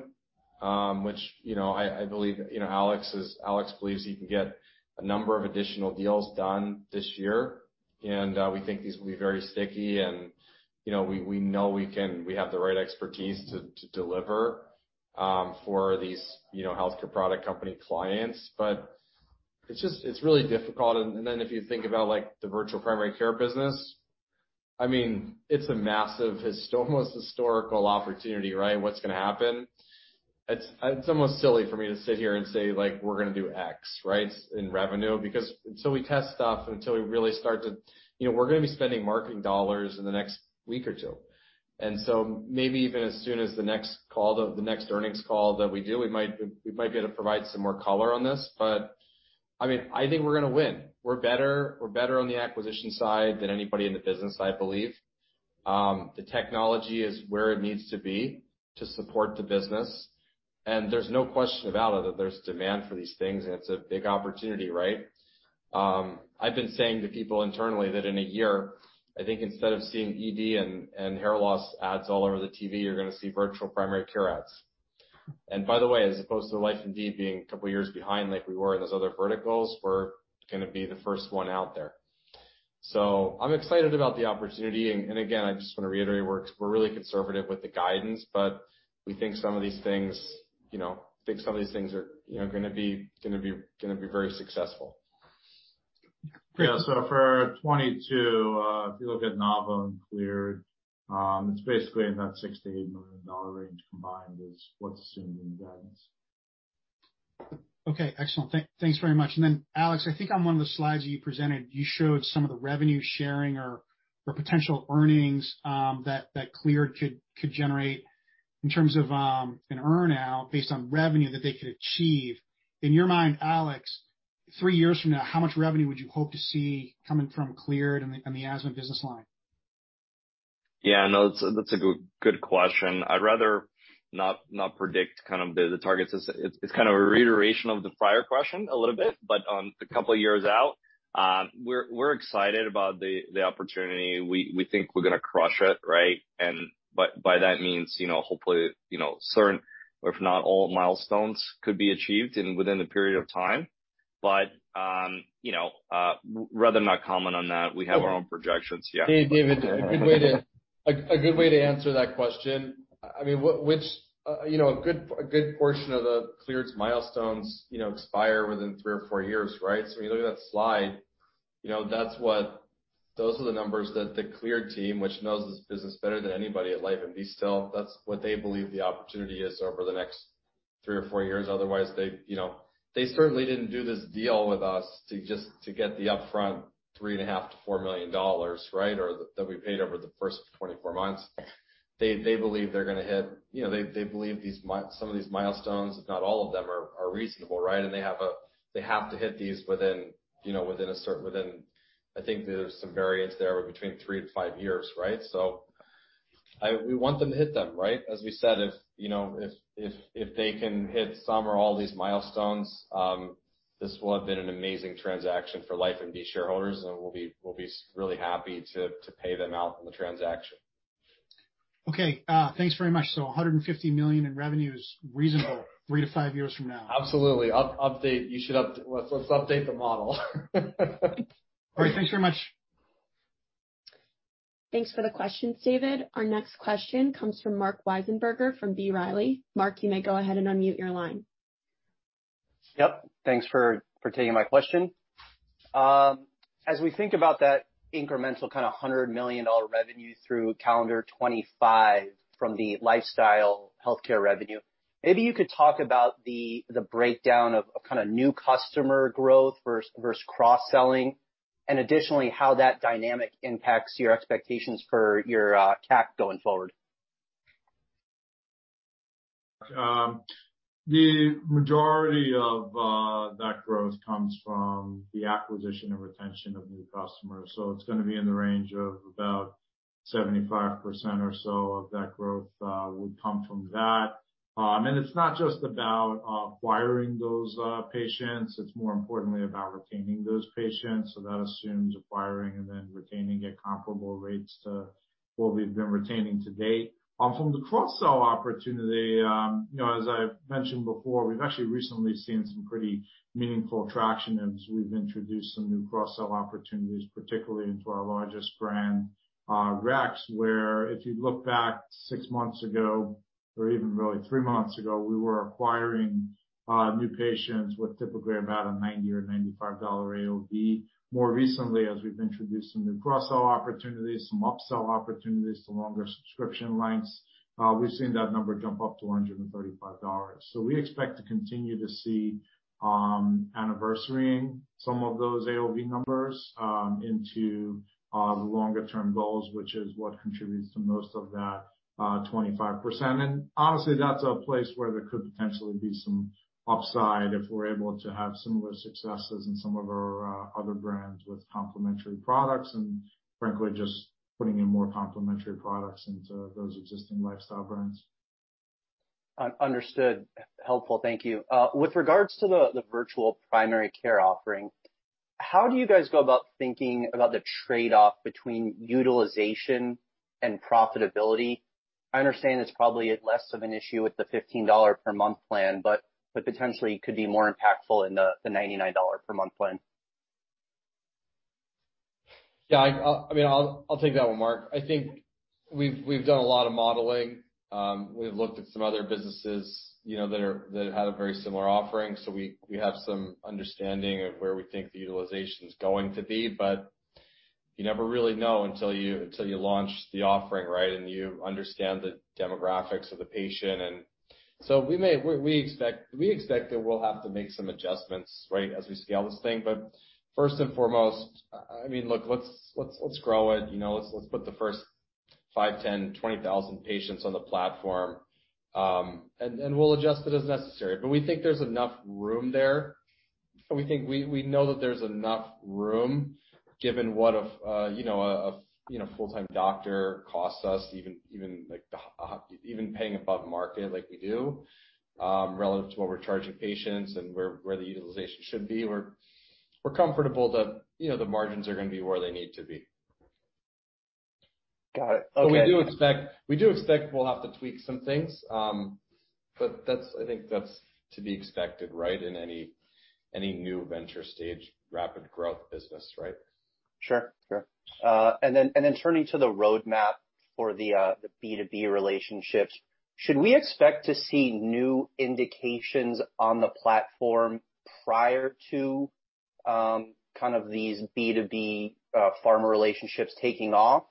which, you know, I believe, you know, Alex believes he can get a number of additional deals done this year. We think these will be very sticky and, you know, we know we can, we have the right expertise to deliver for these, you know, healthcare product company clients. But it's just, it's really difficult. If you think about like the virtual primary care business, I mean, it's a massive historical opportunity, right? What's gonna happen. It's almost silly for me to sit here and say like, "We're gonna do X," right? In revenue. Because until we test stuff and until we really start to you know, we're gonna be spending marketing dollars in the next week or two. So maybe even as soon as the next call, the next earnings call that we do, we might be able to provide some more color on this. But I mean, I think we're gonna win. We're better on the acquisition side than anybody in the business, I believe. The technology is where it needs to be to support the business, and there's no question about it that there's demand for these things, and it's a big opportunity, right? I've been saying to people internally that in a year, I think instead of seeing ED and hair loss ads all over the TV, you're gonna see virtual primary care ads. By the way, as opposed to LifeMD being a couple years behind like we were in those other verticals, we're gonna be the first one out there. I'm excited about the opportunity and again, I just wanna reiterate, we're really conservative with the guidance, but we think some of these things, you know, are, you know, gonna be very successful. Yeah. For 2022, if you look at NavaMD and Cleared, it's basically in that $6 million-$8 million range combined is what's assumed in guidance. Okay. Excellent. Thanks very much. Alex, I think on one of the slides you presented, you showed some of the revenue sharing or potential earnings that Cleared could generate in terms of an earn-out based on revenue that they could achieve. In your mind, Alex, three years from now, how much revenue would you hope to see coming from Cleared and the asthma business line? Yeah, no, that's a good question. I'd rather not predict kind of the targets. It's kind of a reiteration of the prior question a little bit. A couple years out, we are excited about the opportunity. We think we're gonna crush it, right? By that means, you know, hopefully certain if not all milestones could be achieved within the period of time. You know, rather not comment on that. We have our own projections, yeah. Hey, David, a good way to answer that question. I mean, which you know a good portion of Cleared's milestones, you know, expire within 3 or 4 years, right? When you look at that slide, you know, that's what those are the numbers that the Cleared team, which knows this business better than anybody at LifeMD still, that's what they believe the opportunity is over the next 3 or 4 years. Otherwise, they you know they certainly didn't do this deal with us to just get the upfront $3.5-$4 million, right? Or that we paid over the first 24 months. They believe they're gonna hit, you know, they believe some of these milestones, if not all of them, are reasonable, right? They have to hit these within, you know, within. I think there is some variance there, between 3-5 years, right? We want them to hit them, right? As we said, if, you know, if they can hit some or all these milestones, this will have been an amazing transaction for LifeMD shareholders, and we'll be really happy to pay them out on the transaction. Okay. Thanks very much. $150 million in revenue is reasonable 3-5 years from now. Absolutely. Let's update the model. All right. Thanks very much. Thanks for the question, David. Our next question comes from Mark Wiesenberger from B. Riley. Mark, you may go ahead and unmute your line. Yep. Thanks for taking my question. As we think about that incremental kinda $100 million revenue through calendar 2025 from the lifestyle healthcare revenue, maybe you could talk about the breakdown of kinda new customer growth versus cross-selling, and additionally, how that dynamic impacts your expectations for your CAC going forward. The majority of that growth comes from the acquisition and retention of new customers. It's gonna be in the range of about 75% or so of that growth will come from that. It's not just about acquiring those patients, it's more importantly about retaining those patients. That assumes acquiring and then retaining at comparable rates to what we've been retaining to date. From the cross-sell opportunity, you know, as I've mentioned before, we've actually recently seen some pretty meaningful traction as we've introduced some new cross-sell opportunities, particularly into our largest brand, Rex, where if you look back six months ago or even really three months ago, we were acquiring new patients with typically about a $90-$95 AOV. More recently, as we've introduced some new cross-sell opportunities, some upsell opportunities to longer subscription lengths, we've seen that number jump up to $135. We expect to continue to see anniversarying some of those AOV numbers into the longer term goals, which is what contributes to most of that 25%. Honestly, that's a place where there could potentially be some upside if we're able to have similar successes in some of our other brands with complementary products, and frankly, just putting in more complementary products into those existing lifestyle brands. Understood. Helpful. Thank you. With regards to the virtual primary care offering, how do you guys go about thinking about the trade-off between utilization and profitability? I understand it's probably less of an issue with the $15 per month plan, but potentially could be more impactful in the $99 per month plan. Yeah. I mean, I'll take that one, Mark. I think we've done a lot of modeling. We've looked at some other businesses, you know, that have a very similar offering. We have some understanding of where we think the utilization's going to be, but you never really know until you launch the offering, right, and you understand the demographics of the patient. We expect that we'll have to make some adjustments, right, as we scale this thing. But first and foremost, I mean, look, let's grow it, you know. Let's put the first 5, 10, 20,000 patients on the platform, and then we'll adjust it as necessary. But we think there's enough room there. We think we know that there's enough room given what a you know full-time doctor costs us even like even paying above market like we do relative to what we're charging patients and where the utilization should be. We're comfortable that you know the margins are gonna be where they need to be. Got it. Okay. We do expect we'll have to tweak some things. That's to be expected, right? In any new venture stage, rapid growth business, right? Sure. Turning to the roadmap for the B2B relationships, should we expect to see new indications on the platform prior to kind of these B2B pharma relationships taking off?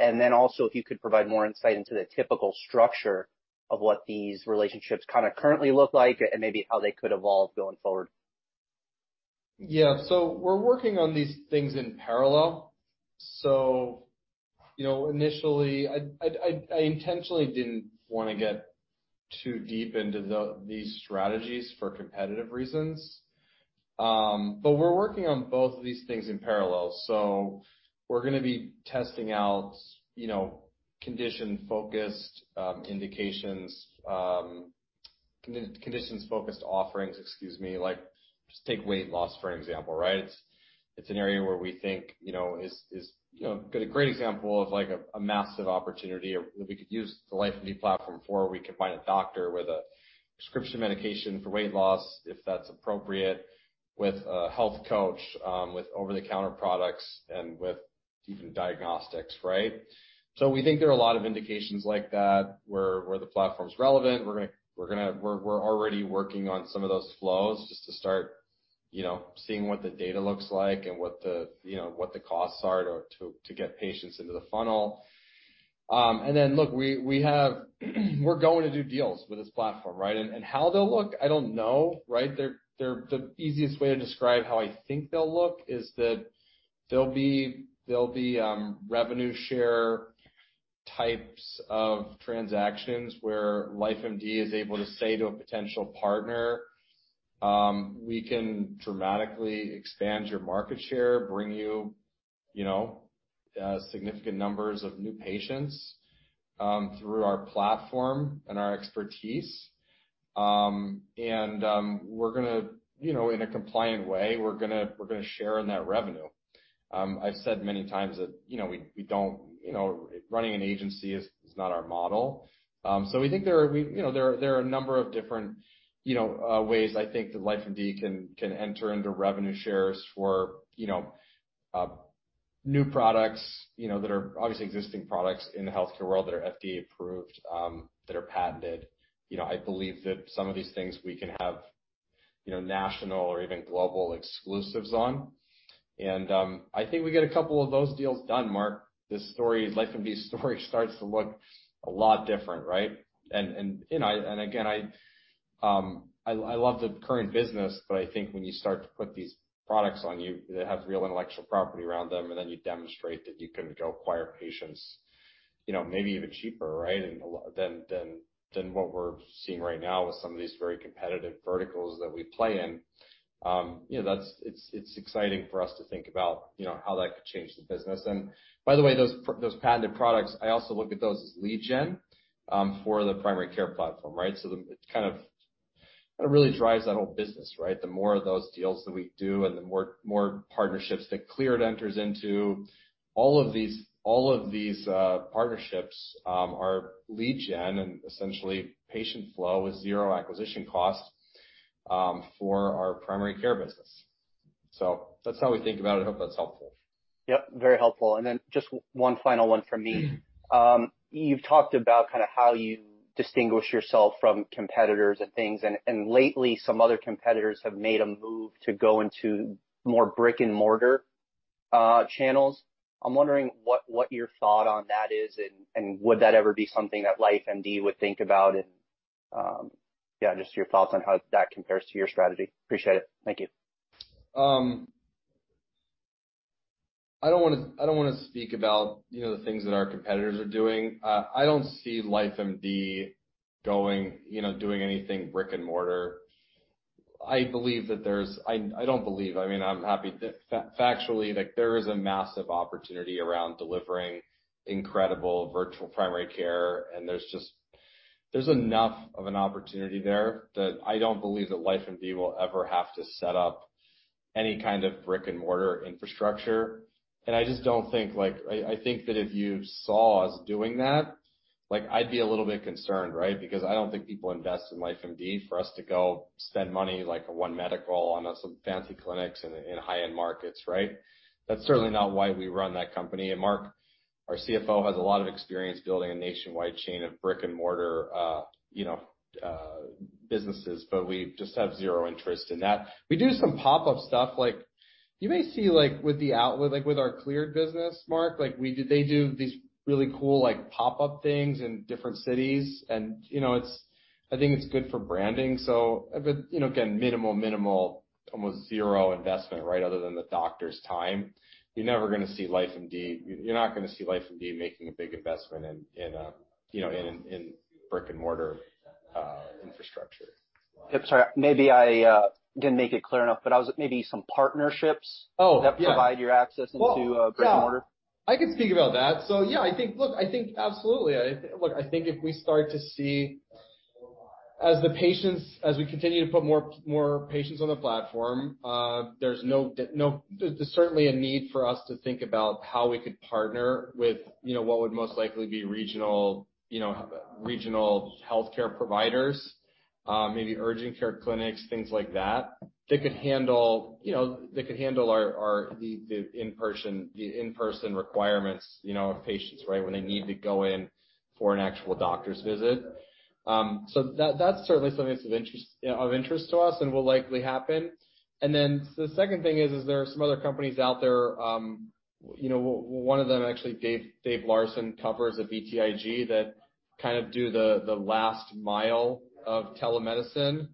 If you could provide more insight into the typical structure of what these relationships kinda currently look like and maybe how they could evolve going forward. Yeah. We're working on these things in parallel. You know, initially I intentionally didn't wanna get too deep into these strategies for competitive reasons. We are working on both of these things in parallel. We're gonna be testing out, you know, condition-focused indications conditions focused offerings, excuse me, like just take weight loss, for example, right? It's an area where we think, you know, is a great example of like a massive opportunity that we could use the LifeMD platform for. We combine a doctor with a prescription medication for weight loss, if that's appropriate, with a health coach, with over-the-counter products and with even diagnostics, right? We think there are a lot of indications like that where the platform's relevant. We are already working on some of those flows just to start, you know, seeing what the data looks like and what the costs are to get patients into the funnel. Look, we're going to do deals with this platform, right? How they'll look, I don't know, right? They're the easiest way to describe how I think they'll look is that they'll be revenue share types of transactions where LifeMD is able to say to a potential partner, "We can dramatically expand your market share, bring you know, significant numbers of new patients through our platform and our expertise. We're gonna, you know, in a compliant way, we're gonna share in that revenue. I've said many times that, you know, we don't, you know, running an agency is not our model. So we think there are a number of different, you know, ways I think that LifeMD can enter into revenue shares for, you know, new products, you know, that are obviously existing products in the healthcare world that are FDA approved, that are patented. You know, I believe that some of these things we can have, you know, national or even global exclusives on. I think we get a couple of those deals done, Marc, this story, LifeMD story starts to look a lot different, right? You know, and again, I love the current business, but I think when you start to put these products on you that have real intellectual property around them, and then you demonstrate that you can go acquire patients, you know, maybe even cheaper, right, than what we're seeing right now with some of these very competitive verticals that we play in. You know, that's exciting for us to think about, you know, how that could change the business. By the way, those patented products, I also look at those as lead gen for the primary care platform, right? It kind of really drives that whole business, right? The more of those deals that we do and the more partnerships that Cleared enters into, all of these partnerships are lead gen and essentially patient flow with zero acquisition costs for our primary care business. That's how we think about it. I hope that's helpful. Yep, very helpful. Just one final one from me. You've talked about kinda how you distinguish yourself from competitors and things. Lately some other competitors have made a move to go into more brick-and-mortar channels. I'm wondering what your thought on that is and would that ever be something that LifeMD would think about? Yeah, just your thoughts on how that compares to your strategy. Appreciate it. Thank you. I don't wanna speak about, you know, the things that our competitors are doing. I don't see LifeMD going, you know, doing anything brick-and-mortar. I don't believe, I mean, I'm happy factually like there is a massive opportunity around delivering incredible virtual primary care, and there's just there's enough of an opportunity there that I don't believe that LifeMD will ever have to set up any kind of brick-and-mortar infrastructure. I just don't think, like I think that if you saw us doing that, like I'd be a little bit concerned, right? Because I don't think people invest in LifeMD for us to go spend money like a One Medical on some fancy clinics in high-end markets, right? That's certainly not why we run that company. Marc, our CFO, has a lot of experience building a nationwide chain of brick-and-mortar, you know, businesses, but we just have zero interest in that. We do some pop-up stuff like you may see, like with our Cleared business, Marc, they do these really cool, like, pop-up things in different cities and, you know, I think it's good for branding. You know, again, minimal, almost zero investment, right? Other than the doctor's time. You're never gonna see LifeMD. You're not gonna see LifeMD making a big investment in a, you know, in brick-and-mortar infrastructure. Sorry, maybe I didn't make it clear enough, but maybe some partnerships. Oh, yeah. that provide you access into Well, yeah. brick-and-mortar. I can speak about that. Yeah, I think, look, absolutely. Look, I think if we start to see as we continue to put more patients on the platform, there's certainly a need for us to think about how we could partner with, you know, what would most likely be regional healthcare providers, maybe urgent care clinics, things like that. They could handle, you know, our in-person requirements of patients, right, when they need to go in for an actual doctor's visit. That's certainly something that's of interest to us and will likely happen. Then the second thing is, there are some other companies out there, you know, one of them actually David Larson covers at BTIG that kind of do the last mile of telemedicine.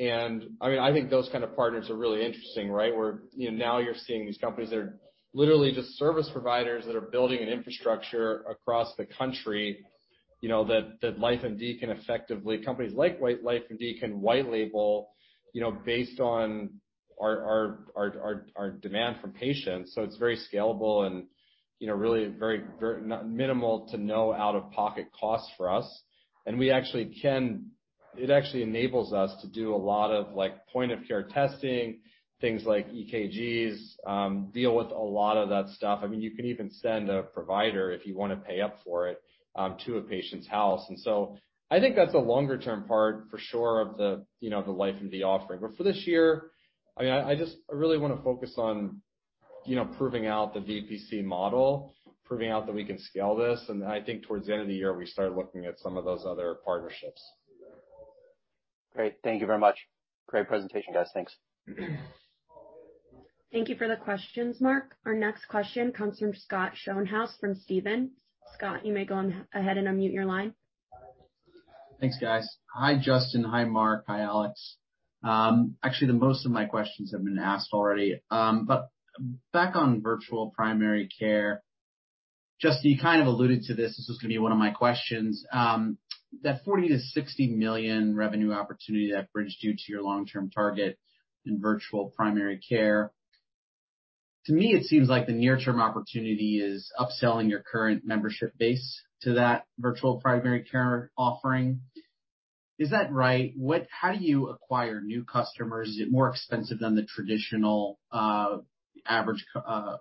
I mean, I think those kind of partners are really interesting, right? Where, you know, now you're seeing these companies that are literally just service providers that are building an infrastructure across the country, you know, that LifeMD can effectively white label, companies like LifeMD can white label, you know, based on our demand from patients. So it's very scalable and, you know, really very minimal to no out-of-pocket costs for us. We actually can. It actually enables us to do a lot of, like, point-of-care testing, things like EKGs, deal with a lot of that stuff. I mean, you can even send a provider if you wanna pay up for it to a patient's house. I think that's a longer-term part for sure of the, you know, the LifeMD offering. For this year, I mean, I just really wanna focus on, you know, proving out the VPC model, proving out that we can scale this. I think towards the end of the year, we start looking at some of those other partnerships. Great. Thank you very much. Great presentation, guys. Thanks. Thank you for the questions, Mark. Our next question comes from Scott Schoenhaus from Stephens. Scott, you may go on ahead and unmute your line. Thanks guys. Hi, Justin. Hi, Mark. Hi, Alex. Actually, most of my questions have been asked already. Back on virtual primary care, Justin, you kind of alluded to this. This was gonna be one of my questions. That $40 million-$60 million revenue opportunity that bridges you to your long-term target in virtual primary care. To me, it seems like the near-term opportunity is upselling your current membership base to that virtual primary care offering. Is that right? How do you acquire new customers? Is it more expensive than the traditional average customer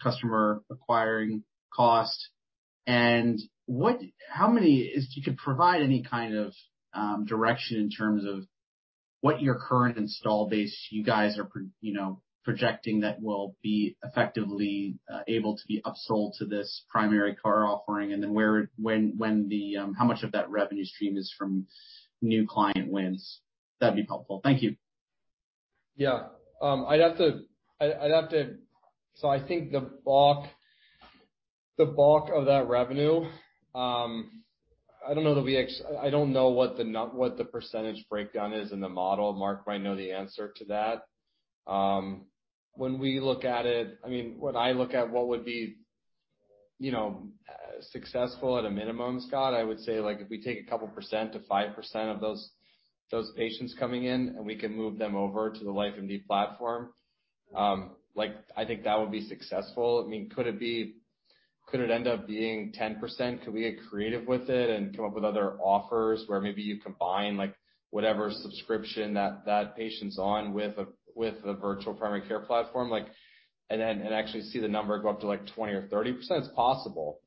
acquisition cost? And how many is... You could provide any kind of direction in terms of what your current install base you guys are, you know, projecting that will be effectively able to be upsold to this primary care offering, and then when the how much of that revenue stream is from new client wins. That'd be helpful. Thank you. I'd have to. I think the bulk of that revenue, I don't know the mix. I don't know what the percentage breakdown is in the model. Marc might know the answer to that. When we look at it, I mean, when I look at what would be, you know, successful at a minimum, Scott, I would say, like, if we take 2%-5% of those patients coming in and we can move them over to the LifeMD platform, like, I think that would be successful. I mean, could it be, could it end up being 10%? Could we get creative with it and come up with other offers where maybe you combine, like, whatever subscription that patient's on with a virtual primary care platform, like, and actually see the number go up to, like, 20% or 30%? It's possible.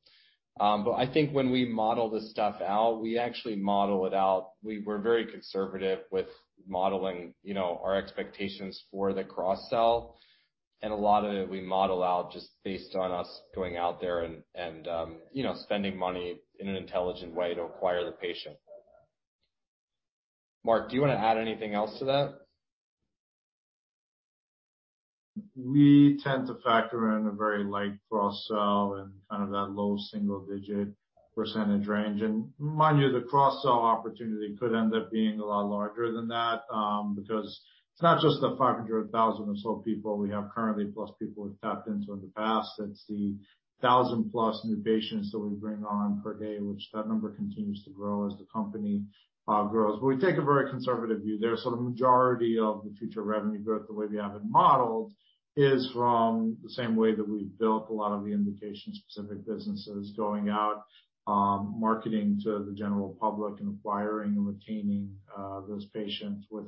But I think when we model this stuff out, we actually model it out. We're very conservative with modeling, you know, our expectations for the cross-sell. A lot of it we model out just based on us going out there and you know, spending money in an intelligent way to acquire the patient. Marc, do you wanna add anything else to that? We tend to factor in a very light cross-sell and kind of that low single-digit percentage range. Mind you, the cross-sell opportunity could end up being a lot larger than that, because it's not just the 500,000 or so people we have currently plus people we've tapped into in the past. It's the 1,000+ new patients that we bring on per day, which number continues to grow as the company grows. We take a very conservative view there. The majority of the future revenue growth, the way we have it modeled, is from the same way that we've built a lot of the indication-specific businesses going out, marketing to the general public and acquiring and retaining those patients with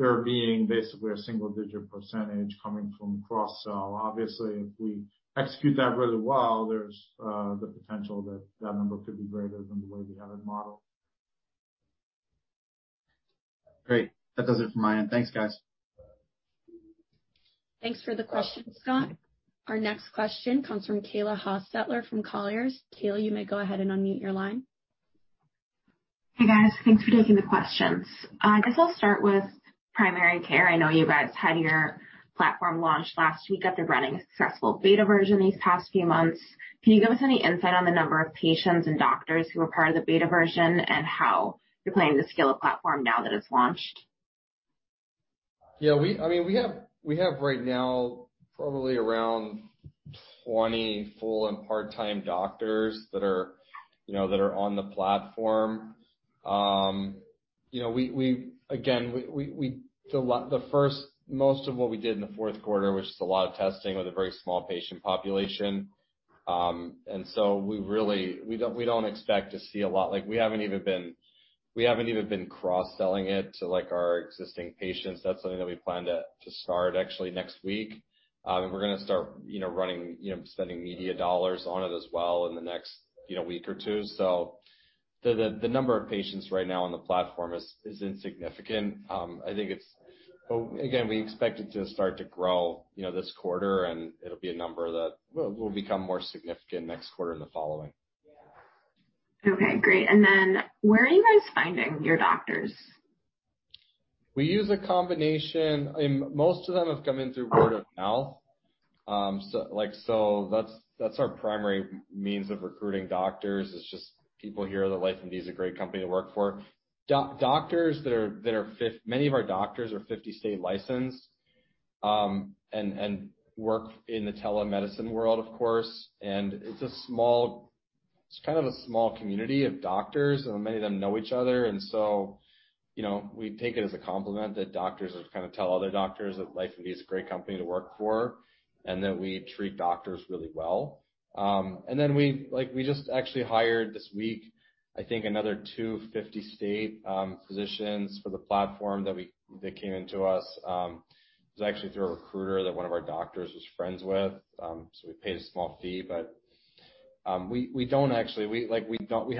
there being basically a single-digit percentage coming from cross-sell. Obviously, if we execute that really well, there's the potential that that number could be greater than the way we have it modeled. Great. That does it from my end. Thanks, guys. Thanks for the question, Scott. Our next question comes from Kayla Hostetler from Colliers. Kayla, you may go ahead and unmute your line. Hey, guys. Thanks for taking the questions. I guess I'll start with primary care. I know you guys had your platform launched last week after running a successful beta version these past few months. Can you give us any insight on the number of patients and doctors who are part of the beta version and how you're planning to scale the platform now that it's launched? Yeah, I mean, we have right now probably around 20 full- and part-time doctors that are, you know, that are on the platform. You know, again, the first, most of what we did in Q4 was just a lot of testing with a very small patient population. We really don't expect to see a lot. Like, we haven't even been cross-selling it to, like, our existing patients. That's something that we plan to start actually next week. We're gonna start, you know, running, you know, spending media dollars on it as well in the next, you know, week or two. The number of patients right now on the platform is insignificant. I think it's Again, we expect it to start to grow, you know, this quarter, and it'll be a number that will become more significant next quarter and the following. Okay, great. Where are you guys finding your doctors? We use a combination. Most of them have come in through word of mouth. So like that's our primary means of recruiting doctors is just people hear that LifeMD is a great company to work for. Many of our doctors are fifty-state licensed, and work in the telemedicine world, of course, and it's a small community of doctors, and many of them know each other. You know, we take it as a compliment that doctors kind of tell other doctors that LifeMD is a great company to work for and that we treat doctors really well. We just actually hired this week, I think, another 50-state physicians for the platform. They came to us. It was actually through a recruiter that one of our doctors was friends with. We paid a small fee, but we don't actually. Like, we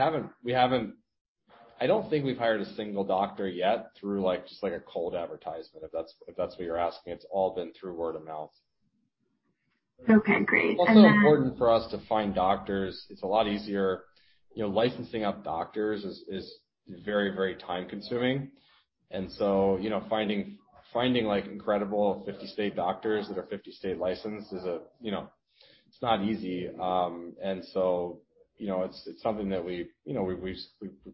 haven't. I don't think we've hired a single doctor yet through, like, just, like, a cold advertisement, if that's what you're asking. It's all been through word of mouth. Okay, great. It's also important for us to find doctors. It's a lot easier. You know, lining up doctors is very, very time-consuming. You know, finding like incredible 50-state doctors that are 50-state licensed is, you know, it's not easy. You know, it's something that we, you know, we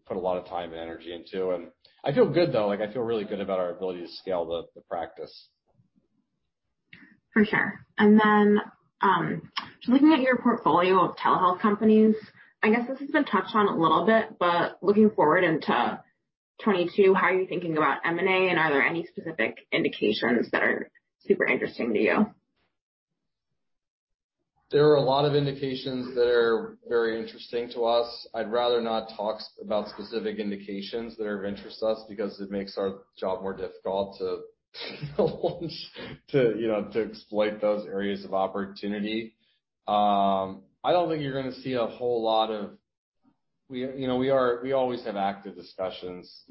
put a lot of time and energy into. I feel good though, like, I feel really good about our ability to scale the practice. For sure. Looking at your portfolio of telehealth companies, I guess this has been touched on a little bit, but looking forward into 2022, how are you thinking about M&A, and are there any specific indications that are super interesting to you? There are a lot of indications that are very interesting to us. I'd rather not talk about specific indications that are of interest to us because it makes our job more difficult to exploit those areas of opportunity. We always have active discussions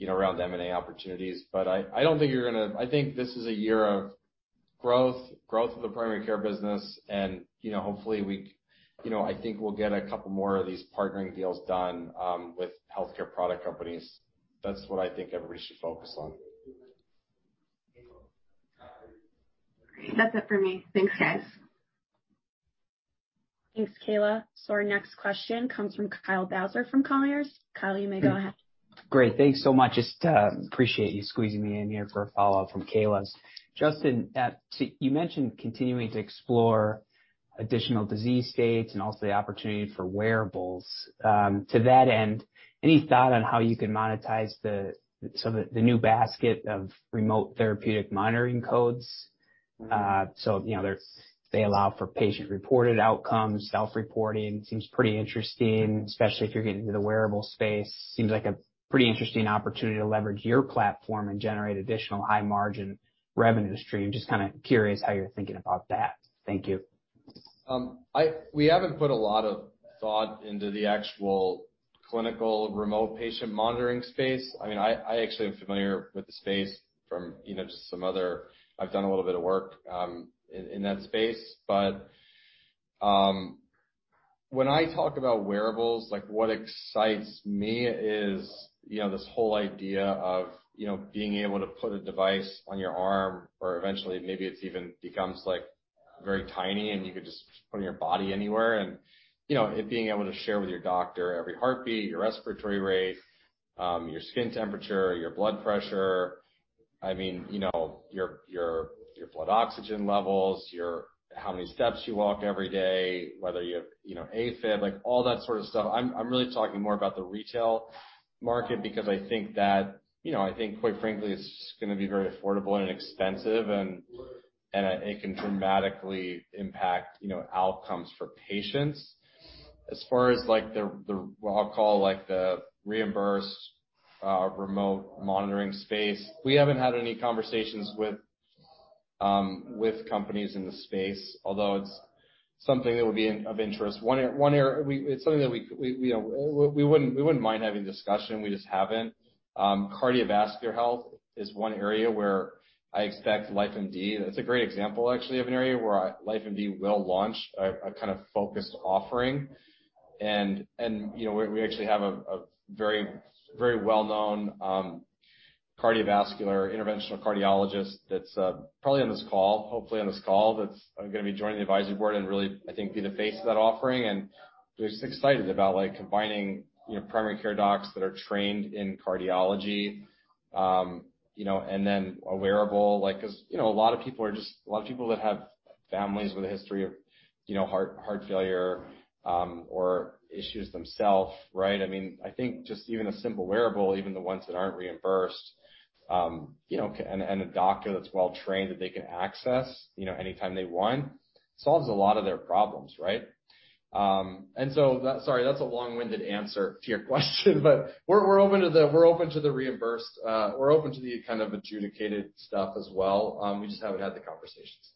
around M&A opportunities. I think this is a year of growth of the primary care business. Hopefully, I think we'll get a couple more of these partnering deals done with healthcare product companies. That's what I think everybody should focus on. Great. That's it for me. Thanks, guys. Thanks, Kayla. Our next question comes from Kyle Bauser from ROTH. Kyle, you may go ahead. Great. Thanks so much. Just appreciate you squeezing me in here for a follow-up from Kayla's. Justin, so you mentioned continuing to explore additional disease states and also the opportunity for wearables. To that end, any thought on how you can monetize the, some of the new basket of remote therapeutic monitoring codes? So, you know, they're, they allow for patient-reported outcomes, self-reporting. Seems pretty interesting, especially if you're getting into the wearable space. Seems like a pretty interesting opportunity to leverage your platform and generate additional high-margin revenue stream. Just kinda curious how you're thinking about that. Thank you. We haven't put a lot of thought into the actual clinical remote patient monitoring space. I mean, I actually am familiar with the space from, you know, just some other work in that space. When I talk about wearables, like, what excites me is, you know, this whole idea of, you know, being able to put a device on your arm or eventually maybe it's even becomes, like, very tiny and you could just put on your body anywhere and, you know, it being able to share with your doctor every heartbeat, your respiratory rate, your skin temperature, your blood pressure. I mean, you know, your blood oxygen levels, your how many steps you walk every day, whether you have, you know, AFib, like all that sort of stuff. I'm really talking more about the retail market because I think that, you know, I think quite frankly, it's gonna be very affordable and inexpensive and it can dramatically impact, you know, outcomes for patients. As far as like the what I'll call like the reimbursed remote monitoring space, we haven't had any conversations with with companies in the space, although it's something that would be of interest. It's something that we, you know, we wouldn't mind having a discussion. We just haven't. Cardiovascular health is one area where I expect LifeMD. It's a great example, actually, of an area where LifeMD will launch a kind of focused offering. You know, we actually have a very well-known cardiovascular interventional cardiologist that's probably on this call, hopefully on this call, that's gonna be joining the advisory board and really, I think, be the face of that offering. We're just excited about, like, combining, you know, primary care docs that are trained in cardiology, you know, and then a wearable, like, 'cause, you know, a lot of people that have families with a history of, you know, heart failure, or issues themselves, right? I mean, I think just even a simple wearable, even the ones that aren't reimbursed, you know, and a doctor that's well trained that they can access, you know, anytime they want, solves a lot of their problems, right? Sorry, that's a long-winded answer to your question, but we're open to the reimbursed. We're open to the kind of adjudicated stuff as well. We just haven't had the conversations.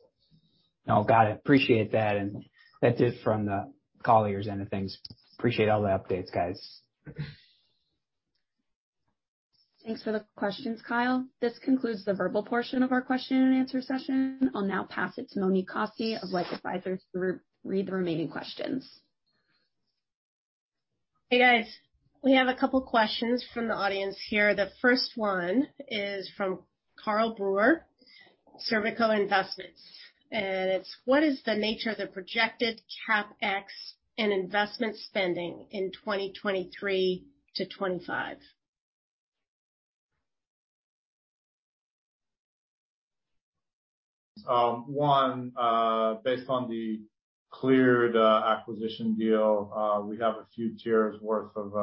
No. Got it. Appreciate that. That's it from the caller's end of things. Appreciate all the updates, guys. Thanks for the questions, Kyle. This concludes the verbal portion of our question and answer session. I'll now pass it to Monique Kosse of LifeSci Advisors to re-read the remaining questions. Hey, guys. We have a couple questions from the audience here. The first one is from Karl Brewer, Cervical Investments, and it's, "What is the nature of the projected CapEx and investment spending in 2023-2025? One, based on the Cleared acquisition deal, we have a few tiers worth of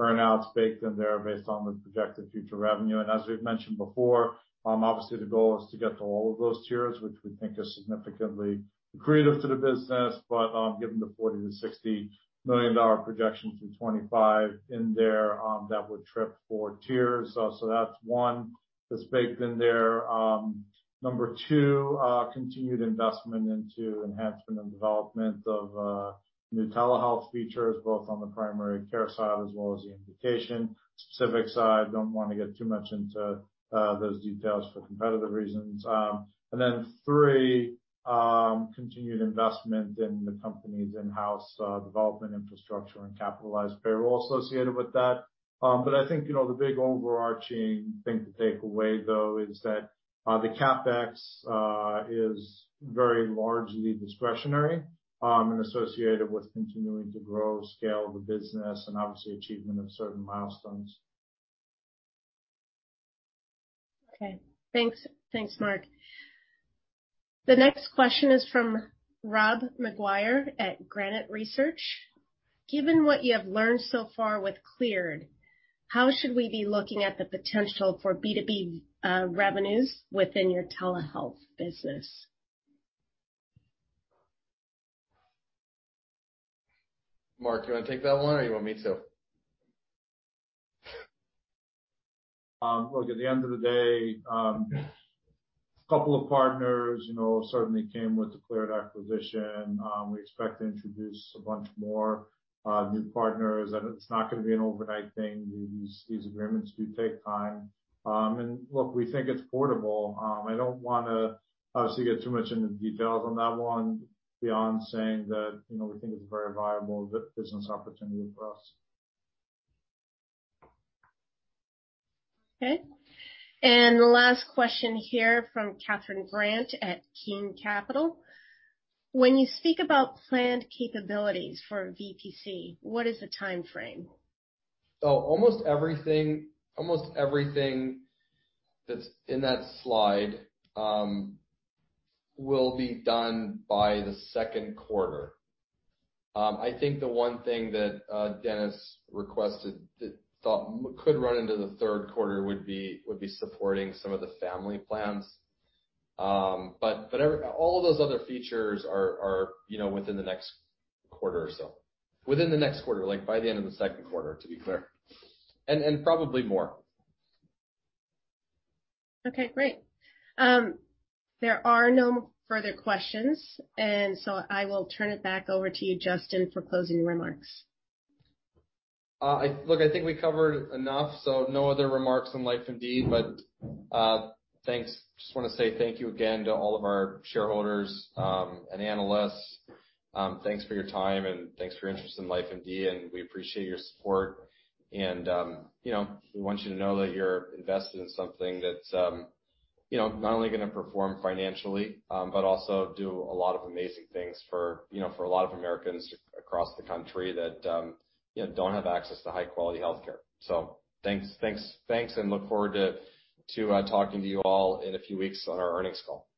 earnouts baked in there based on the projected future revenue. As we've mentioned before, obviously the goal is to get to all of those tiers, which we think is significantly accretive to the business. Given the $40 million-$60 million projection through 2025 in there, that would trip four tiers. That's one that's baked in there. Number two, continued investment into enhancement and development of new telehealth features, both on the primary care side as well as the indication specific side. Don't wanna get too much into those details for competitive reasons. Three, continued investment in the company's in-house development infrastructure and capitalized payroll associated with that. I think, you know, the big overarching thing to take away though is that the CapEx is very largely discretionary and associated with continuing to grow, scale the business and obviously achievement of certain milestones. Okay. Thanks. Thanks, Marc. The next question is from Rob McGuire at Granite Research. "Given what you have learned so far with Cleared, how should we be looking at the potential for B2B revenues within your telehealth business? Marc, do you wanna take that one or you want me to? Look, at the end of the day, couple of partners, you know, certainly came with the Cleared acquisition. We expect to introduce a bunch more new partners. It's not gonna be an overnight thing. These agreements do take time. Look, we think it's portable. I don't wanna obviously get too much into details on that one beyond saying that, you know, we think it's a very viable business opportunity for us. Okay. The last question here from Catherine Grant at Keene Capital. "When you speak about planned capabilities for VPC, what is the timeframe? Almost everything that's in that slide will be done by the second quarter. I think the one thing that Dennis requested that he thought could run into the Q3 would be supporting some of the family plans. All of those other features are, you know, within the next quarter or so. Within the next quarter, like, by the end of the Q2, to be clear, and probably more. Okay, great. There are no further questions, and so I will turn it back over to you, Justin, for closing remarks. Look, I think we covered enough, so no other remarks on LifeMD, but thanks. Just wanna say thank you again to all of our shareholders and analysts. Thanks for your time, and thanks for your interest in LifeMD, and we appreciate your support. You know, we want you to know that you're invested in something that's, you know, not only gonna perform financially, but also do a lot of amazing things for, you know, for a lot of Americans across the country that, you know, don't have access to high quality healthcare. Thanks, thanks, and look forward to talking to you all in a few weeks on our earnings call.